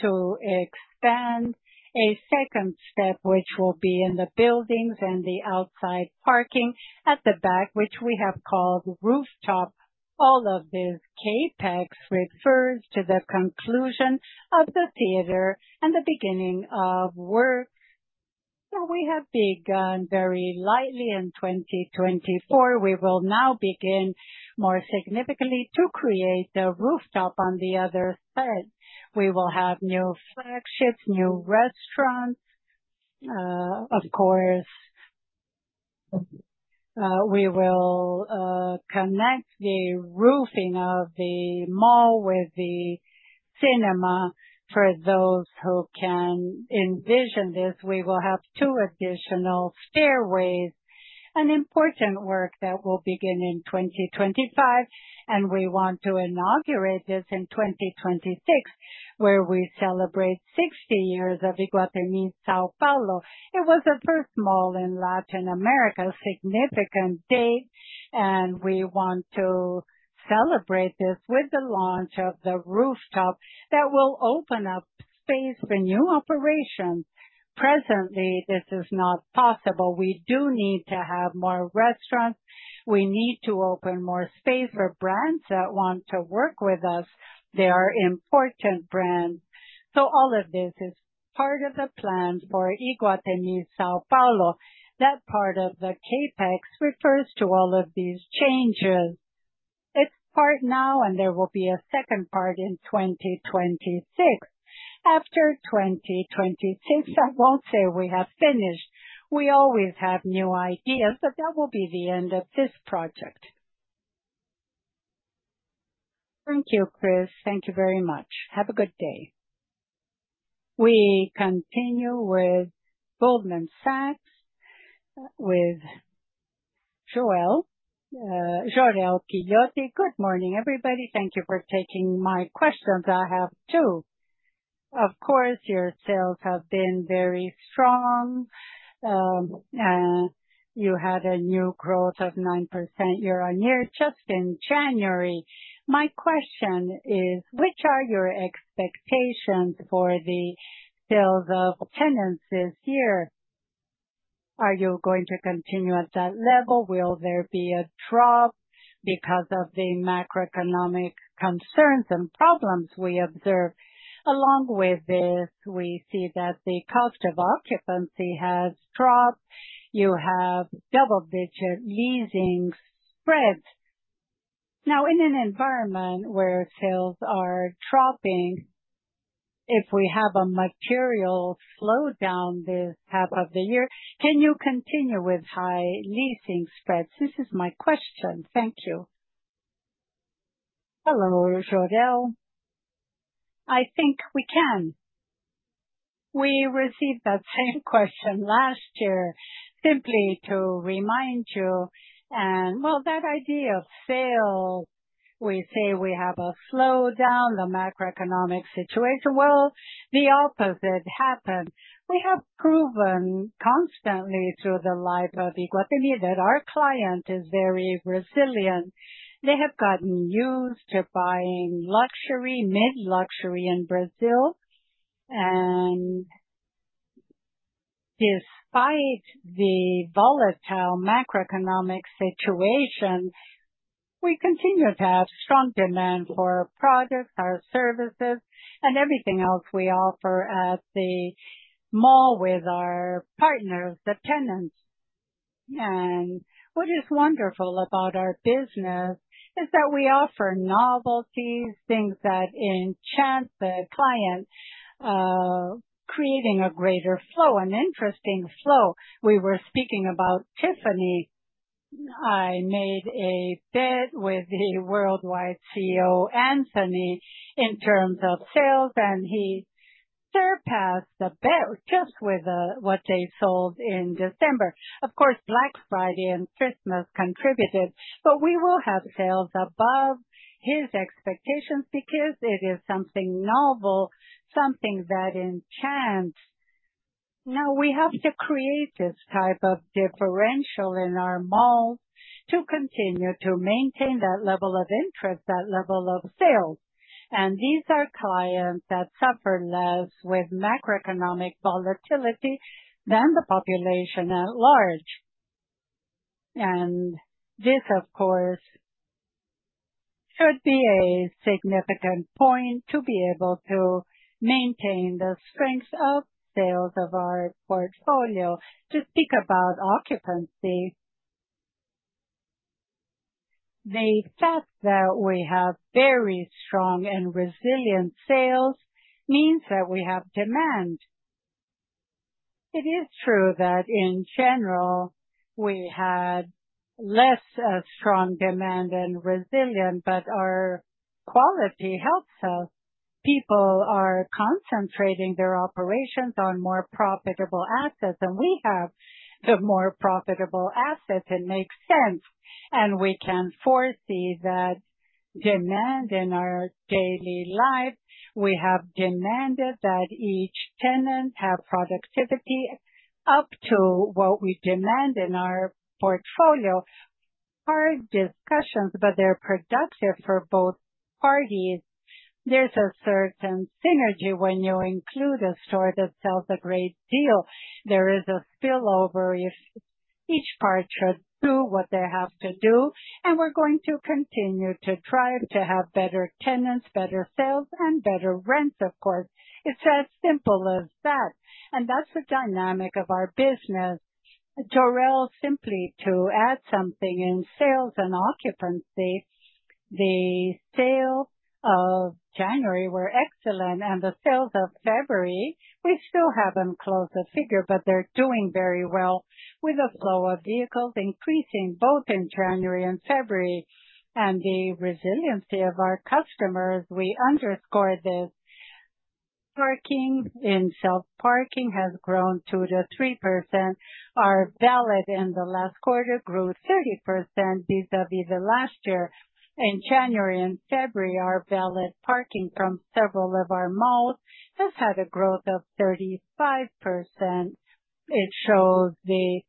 to expand a second step, which will be in the buildings and the outside parking at the back, which we have called rooftop. All of this CapEx refers to the conclusion of the theater and the beginning of work. Now, we have begun very lightly in 2024. We will now begin more significantly to create the rooftop on the other side. We will have new flagships, new restaurants. Of course, we will connect the roofing of the mall with the cinema. For those who can envision this, we will have two additional stairways, an important work that will begin in 2025. And we want to inaugurate this in 2026, where we celebrate 60 years of Iguatemi São Paulo. It was the first mall in Latin America, a significant date. And we want to celebrate this with the launch of the rooftop that will open up space for new operations. Presently, this is not possible. We do need to have more restaurants. We need to open more space for brands that want to work with us. They are important brands. So all of this is part of the plan for Iguatemi São Paulo. That part of the CapEx refers to all of these changes. It's part now, and there will be a second part in 2026. After 2026, I won't say we have finished. We always have new ideas, but that will be the end of this project.
Thank you, Cris. Thank you very much. Have a good day.
We continue with Goldman Sachs with Jorel Guilloty.
Good morning, everybody. Thank you for taking my questions. I have two. Of course, your sales have been very strong. You had a net growth of 9% year-on-year just in January. My question is, which are your expectations for the sales of tenants this year? Are you going to continue at that level? Will there be a drop because of the macroeconomic concerns and problems we observe? Along with this, we see that the cost of occupancy has dropped. You have double-digit leasing spreads. Now, in an environment where sales are dropping, if we have a material slowdown this half of the year, can you continue with high leasing spreads? This is my question. Thank you.
Hello, Jorel. I think we can. We received that same question last year, simply to remind you. And well, that idea of sales, we say we have a slowdown, the macroeconomic situation. Well, the opposite happened. We have proven constantly through the life of Iguatemi that our client is very resilient. They have gotten used to buying luxury, mid-luxury in Brazil. And despite the volatile macroeconomic situation, we continue to have strong demand for our products, our services, and everything else we offer at the mall with our partners, the tenants. What is wonderful about our business is that we offer novelties, things that enchant the client, creating a greater flow, an interesting flow. We were speaking about Tiffany. I made a bet with the worldwide CEO, Anthony, in terms of sales, and he surpassed the bet just with what they sold in December. Of course, Black Friday and Christmas contributed, but we will have sales above his expectations because it is something novel, something that enchants. Now, we have to create this type of differential in our malls to continue to maintain that level of interest, that level of sales. These are clients that suffer less with macroeconomic volatility than the population at large. This, of course, should be a significant point to be able to maintain the strength of sales of our portfolio. To speak about occupancy, the fact that we have very strong and resilient sales means that we have demand. It is true that in general, we had less strong demand and resilience, but our quality helps us. People are concentrating their operations on more profitable assets, and we have the more profitable assets. It makes sense. And we can foresee that demand in our daily life. We have demanded that each tenant have productivity up to what we demand in our portfolio. Hard discussions, but they're productive for both parties. There's a certain synergy when you include a store that sells a great deal. There is a spillover if each part should do what they have to do. And we're going to continue to drive to have better tenants, better sales, and better rents, of course. It's as simple as that. And that's the dynamic of our business.
Jorel, simply to add something in sales and occupancy, the sales of January were excellent, and the sales of February, we still haven't closed the figure, but they're doing very well with the flow of vehicles increasing both in January and February. The resiliency of our customers, we underscore this. Parking in self-parking has grown 2%-3%. Our valet in the last quarter grew 30% vis-à-vis the last year. In January and February, our valet parking from several of our malls has had a growth of 35%. It shows the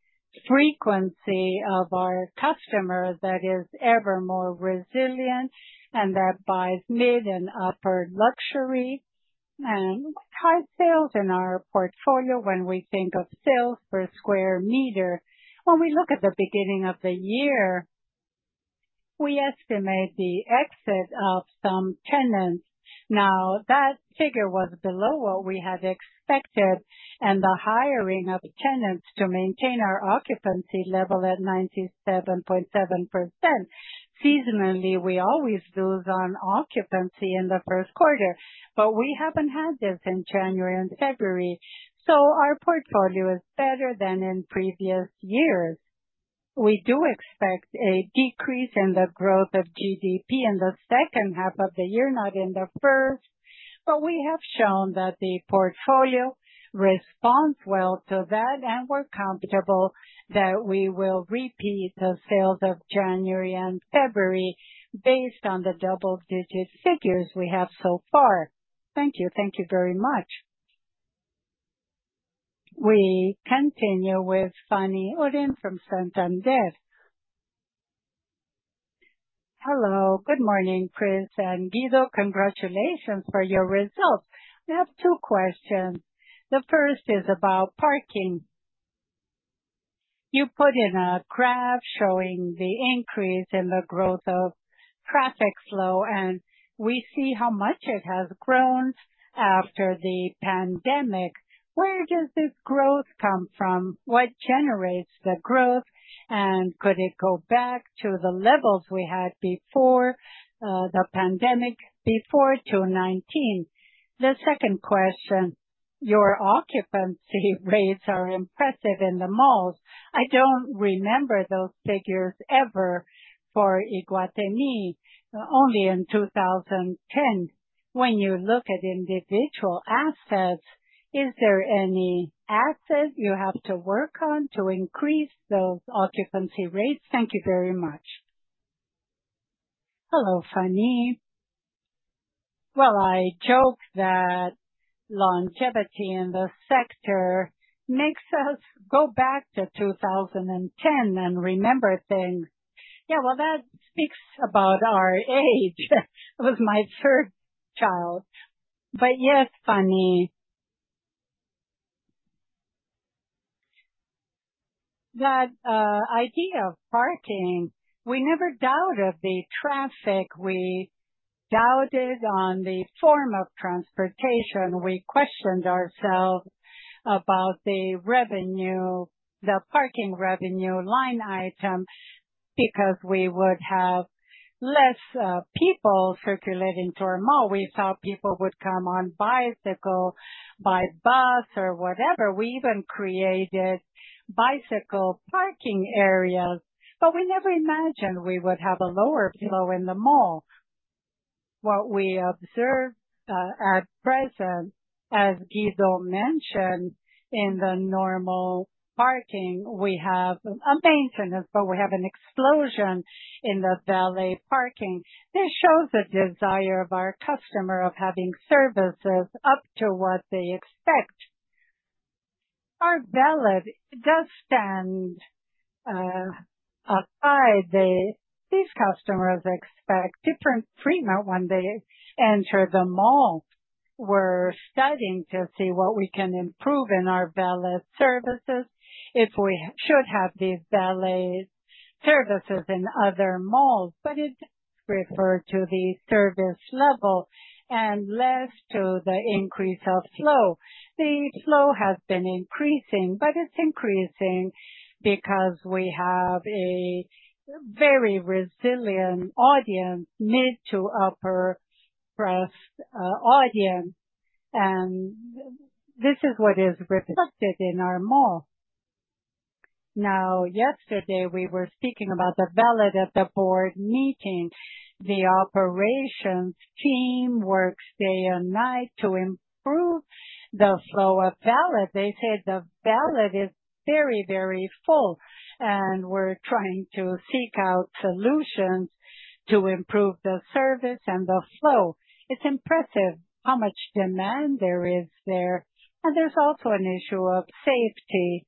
frequency of our customer that is ever more resilient and that buys mid and upper luxury and high sales in our portfolio when we think of sales per square meter. When we look at the beginning of the year, we estimate the exit of some tenants. Now, that figure was below what we had expected, and the hiring of tenants to maintain our occupancy level at 97.7%. Seasonally, we always lose on occupancy in the first quarter, but we haven't had this in January and February. So our portfolio is better than in previous years. We do expect a decrease in the growth of GDP in the second half of the year, not in the first, but we have shown that the portfolio responds well to that, and we're comfortable that we will repeat the sales of January and February based on the double-digit figures we have so far.
Thank you. Thank you very much.
We continue with Fanny Oreng from Santander.
Hello. Good morning, Cris and Guido. Congratulations for your results. I have two questions. The first is about parking. You put in a graph showing the increase in the growth of traffic flow, and we see how much it has grown after the pandemic. Where does this growth come from? What generates the growth? And could it go back to the levels we had before the pandemic, before 2019? The second question, your occupancy rates are impressive in the malls. I don't remember those figures ever for Iguatemi, only in 2010. When you look at individual assets, is there any asset you have to work on to increase those occupancy rates? Thank you very much.
Hello, Fanny. Well, I joke that longevity in the sector makes us go back to 2010 and remember things. Yeah, well, that speaks about our age. It was my third child. But yes, Fanny, that idea of parking, we never doubted the traffic. We doubted on the form of transportation. We questioned ourselves about the revenue, the parking revenue line item, because we would have less people circulating to our mall. We thought people would come on bicycle, by bus, or whatever. We even created bicycle parking areas, but we never imagined we would have a lower flow in the mall. What we observe at present, as Guido mentioned, in the normal parking, we have a maintenance, but we have an explosion in the valet parking. This shows the desire of our customer of having services up to what they expect. Our valet does stand aside. These customers expect different treatment when they enter the mall. We're studying to see what we can improve in our valet services if we should have these valet services in other malls, but it does refer to the service level and less to the increase of flow. The flow has been increasing, but it's increasing because we have a very resilient audience, mid to upper class audience, and this is what is reflected in our mall.
Now, yesterday, we were speaking about the valet at the Board meeting. The operations team works day and night to improve the flow of valet. They say the valet is very, very full, and we're trying to seek out solutions to improve the service and the flow. It's impressive how much demand there is there, and there's also an issue of safety.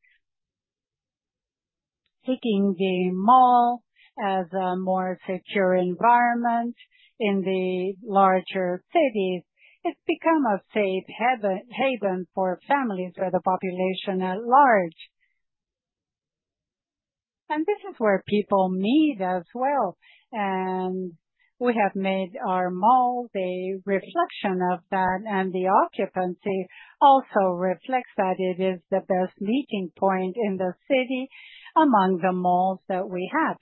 Taking the mall as a more secure environment in the larger cities, it's become a safe haven for families, for the population at large, and this is where people meet as well. We have made our mall a reflection of that, and the occupancy also reflects that it is the best meeting point in the city among the malls that we have.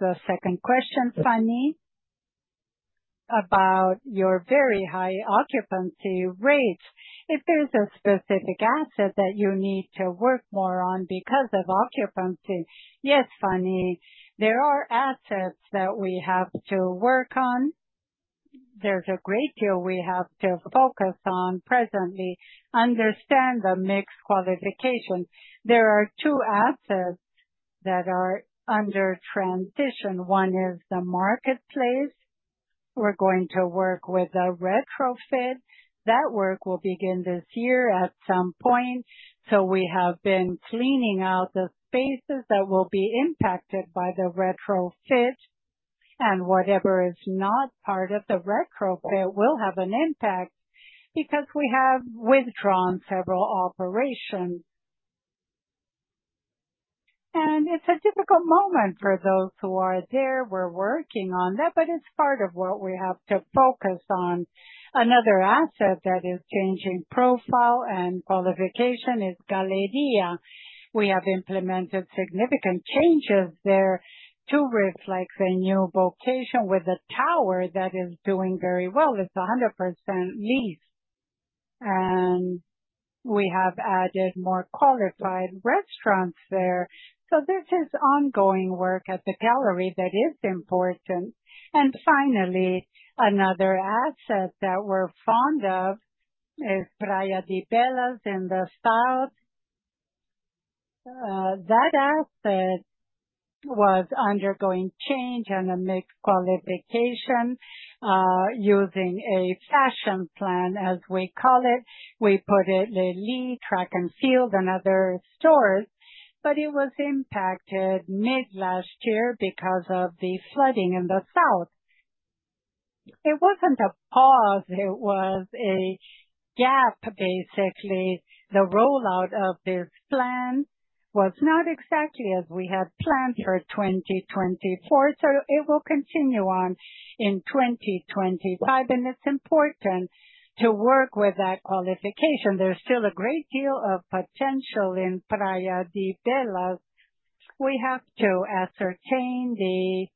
The second question, Fanny?
About your very high occupancy rates. If there's a specific asset that you need to work more on because of occupancy,
Yes, Fanny, there are assets that we have to work on. There's a great deal we have to focus on presently, understand the mixed qualifications. There are two assets that are under transition. One is the Market Place. We're going to work with a retrofit. That work will begin this year at some point. So we have been cleaning out the spaces that will be impacted by the retrofit. And whatever is not part of the retrofit will have an impact because we have withdrawn several operations. It's a difficult moment for those who are there. We're working on that, but it's part of what we have to focus on. Another asset that is changing profile and qualification is Galleria. We have implemented significant changes there to reflect a new vocation with a tower that is doing very well. It's 100% leased, and we have added more qualified restaurants there. So this is ongoing work at the Galleria that is important. Finally, another asset that we're fond of is Praia de Belas in the south. That asset was undergoing change and a mixed qualification using a fashion plan, as we call it. We put it in LE LIS, Track&Field, and other stores, but it was impacted mid-last year because of the flooding in the south. It wasn't a pause. It was a gap, basically. The rollout of this plan was not exactly as we had planned for 2024, so it will continue on in 2025. And it's important to work with that qualification. There's still a great deal of potential in Praia de Belas. We have to ascertain the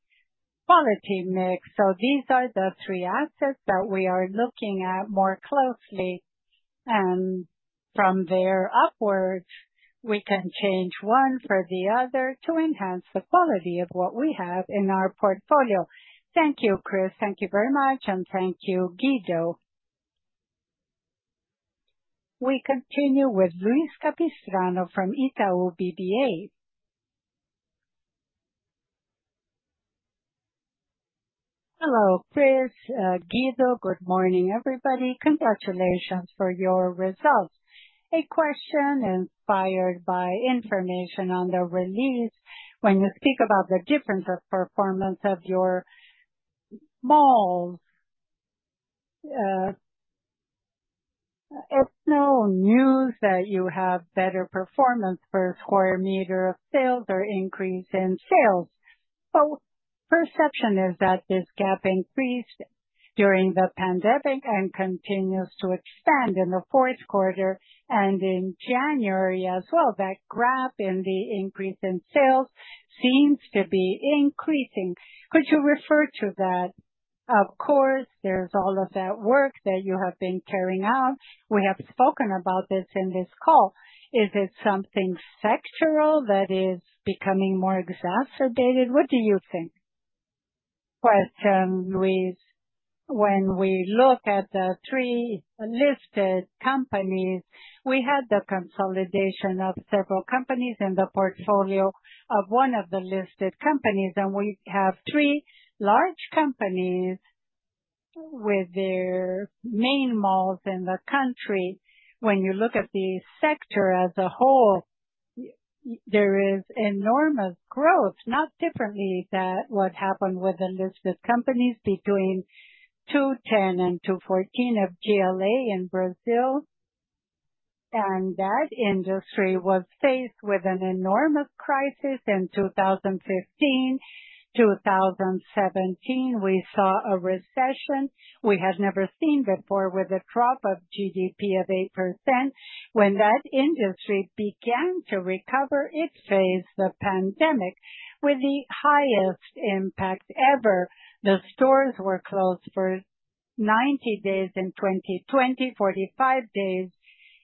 quality mix. So these are the three assets that we are looking at more closely. And from there upwards, we can change one for the other to enhance the quality of what we have in our portfolio.
Thank you, Cris. Thank you very much, and thank you, Guido. We continue with Luiz Capistrano from Itaú BBA.
Hello, Cris. Guido, good morning, everybody. Congratulations for your results. A question inspired by information on the release. When you speak about the difference of performance of your malls, it's no news that you have better performance per square meter of sales or increase in sales. But perception is that this gap increased during the pandemic and continues to expand in the fourth quarter and in January as well. That gap in the increase in sales seems to be increasing. Could you refer to that? Of course, there's all of that work that you have been carrying out. We have spoken about this in this call. Is it something sectoral that is becoming more exacerbated? What do you think?
Question, Luiz. When we look at the three listed companies, we had the consolidation of several companies in the portfolio of one of the listed companies, and we have three large companies with their main malls in the country. When you look at the sector as a whole, there is enormous growth, not differently than what happened with the listed companies between 2010 and 2014 of GLA in Brazil. That industry was faced with an enormous crisis in 2015. In 2017, we saw a recession we had never seen before with a drop of GDP of 8%. When that industry began to recover, it faced the pandemic with the highest impact ever. The stores were closed for 90 days in 2020, 45 days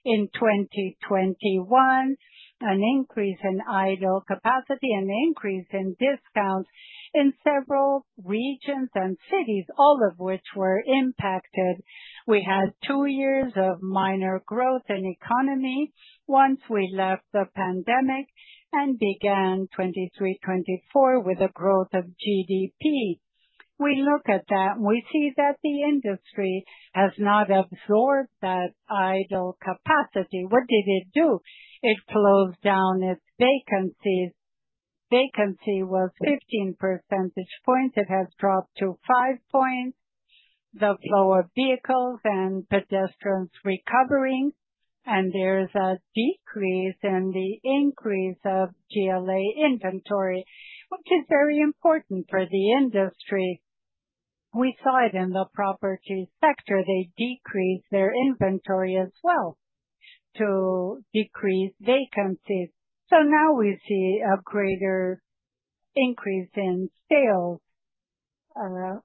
in 2021, an increase in idle capacity, and an increase in discounts in several regions and cities, all of which were impacted. We had two years of minor growth in the economy once we left the pandemic and began 23-24 with a growth of GDP. We look at that, and we see that the industry has not absorbed that idle capacity. What did it do? It closed down its vacancies. Vacancy was 15 percentage points. It has dropped to 5 points. The flow of vehicles and pedestrians recovering, and there is a decrease in the increase of GLA inventory, which is very important for the industry. We saw it in the property sector. They decreased their inventory as well to decrease vacancies. So now we see a greater increase in sales.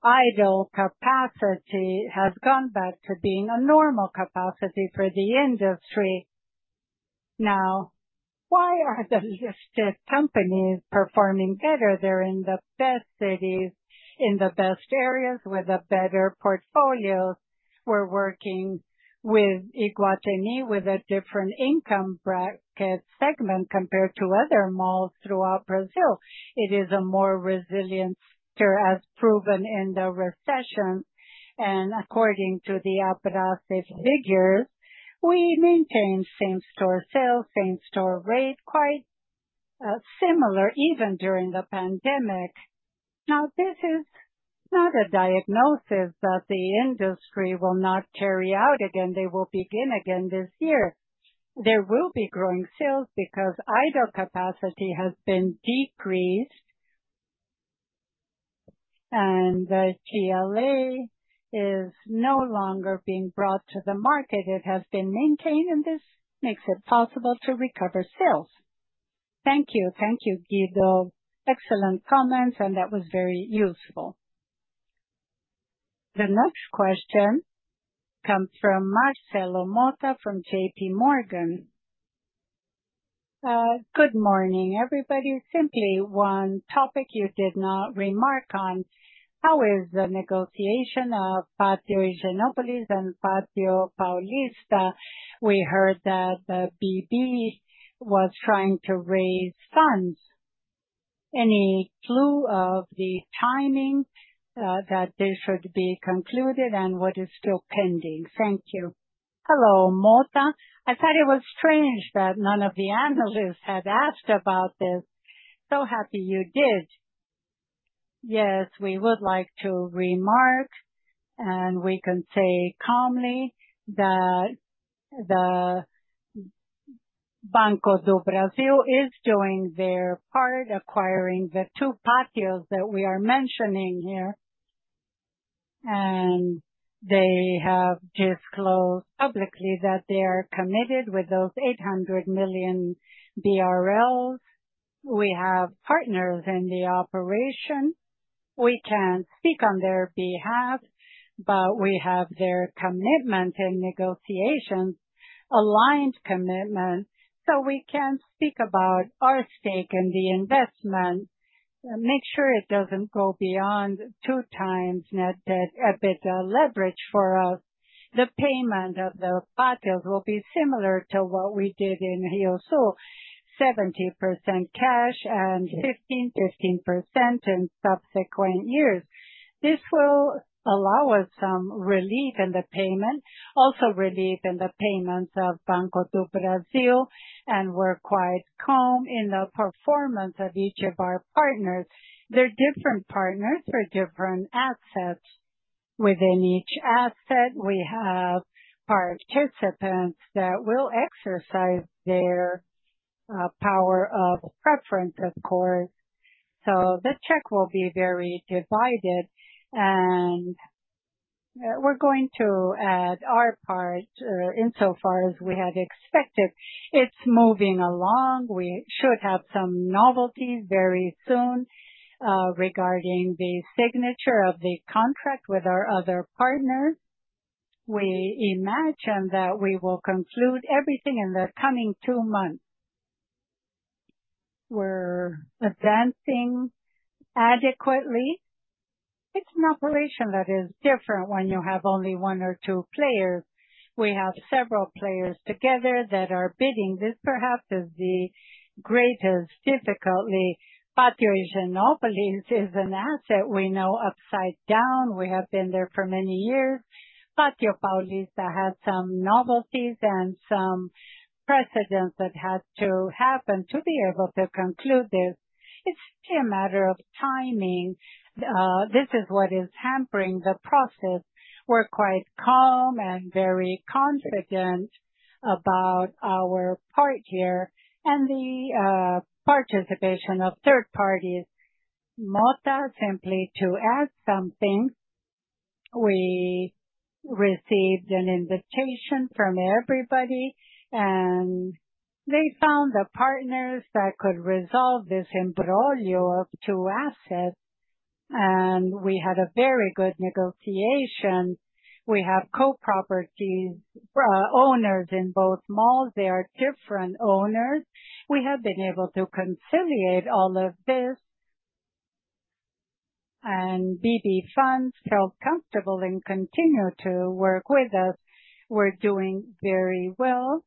Idle capacity has gone back to being a normal capacity for the industry. Now, why are the listed companies performing better? They're in the best cities, in the best areas with the better portfolios. We're working with Iguatemi with a different income bracket segment compared to other malls throughout Brazil. It is a more resilient sector, as proven in the recession. And according to the operative figures, we maintained same-store sales, same-store rate, quite similar even during the pandemic. Now, this is not a diagnosis that the industry will not carry out again. They will begin again this year. There will be growing sales because idle capacity has been decreased, and the GLA is no longer being brought to the market. It has been maintained, and this makes it possible to recover sales.
Thank you. Thank you, Guido. Excellent comments, and that was very useful.
The next question comes from Marcelo Motta from J.P. Morgan.
Good morning, everybody. Simply one topic you did not remark on. How is the negotiation of Pátio Higienópolis and Pátio Paulista? We heard that the BB was trying to raise funds. Any clue of the timing that this should be concluded and what is still pending? Thank you.
Hello, Motta. I thought it was strange that none of the analysts had asked about this. So happy you did. Yes, we would like to remark, and we can say calmly that the Banco do Brasil is doing their part, acquiring the two Pátios that we are mentioning here. And they have disclosed publicly that they are committed with those 800 million BRL. We have partners in the operation. We can't speak on their behalf, but we have their commitment in negotiations, aligned commitment. So we can speak about our stake in the investment. Make sure it doesn't go beyond two times net debt EBITDA leverage for us. The payment of the Pátios will be similar to what we did in RIOSUL, 70% cash and 15% in subsequent years. This will allow us some relief in the payment, also relief in the payments of Banco do Brasil, and we're quite calm in the performance of each of our partners. They're different partners for different assets. Within each asset, we have participants that will exercise their power of preference, of course. So the check will be very divided, and we're going to add our part insofar as we had expected. It's moving along. We should have some novelties very soon regarding the signature of the contract with our other partners. We imagine that we will conclude everything in the coming two months. We're advancing adequately. It's an operation that is different when you have only one or two players. We have several players together that are bidding. This perhaps is the greatest difficulty. Pátio Higienópolis is an asset we know upside down. We have been there for many years. Pátio Paulista had some novelties and some precedents that had to happen to be able to conclude this. It's a matter of timing. This is what is hampering the process. We're quite calm and very confident about our part here and the participation of third parties.
Motta, simply to add something, we received an invitation from everybody, and they found the partners that could resolve this imbróglio of two assets. And we had a very good negotiation. We have co-owners in both malls. They are different owners. We have been able to conciliate all of this. And BB Funds felt comfortable and continue to work with us. We're doing very well.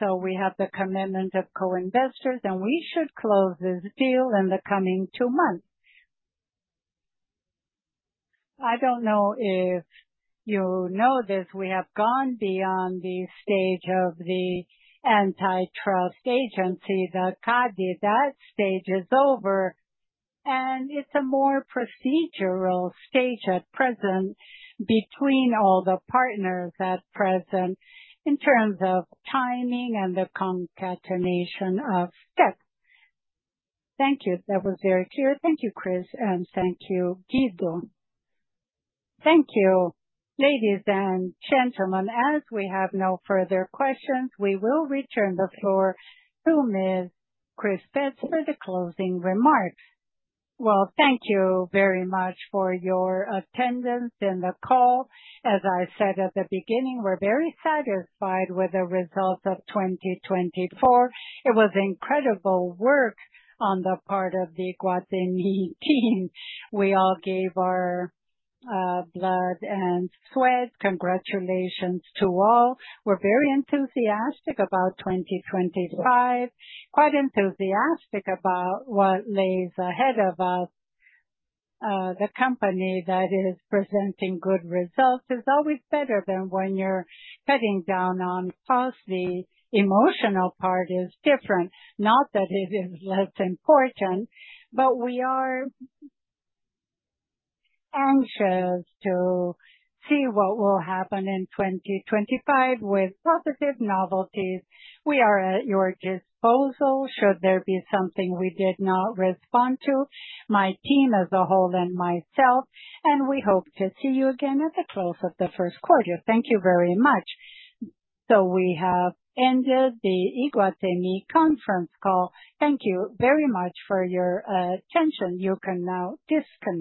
So we have the commitment of co-investors, and we should close this deal in the coming two months.
I don't know if you know this. We have gone beyond the stage of the antitrust agency, the CADE. That stage is over, and it's a more procedural stage at present between all the partners at present in terms of timing and the concatenation of steps.
Thank you. That was very clear. Thank you, Cristina, and thank you, Guido.
Thank you. Ladies and gentlemen, as we have no further questions, we will return the floor to Ms. Cristina Betts for the closing remarks.
Thank you very much for your attendance in the call. As I said at the beginning, we're very satisfied with the results of 2024. It was incredible work on the part of the Iguatemi team. We all gave our blood and sweat. Congratulations to all. We're very enthusiastic about 2025, quite enthusiastic about what lies ahead of us. The company that is presenting good results is always better than when you're cutting down on costs. The emotional part is different. Not that it is less important, but we are anxious to see what will happen in 2025 with positive novelties. We are at your disposal. Should there be something we did not respond to, my team as a whole and myself, and we hope to see you again at the close of the first quarter. Thank you very much.
So we have ended the Iguatemi conference call. Thank you very much for your attention. You can now disconnect.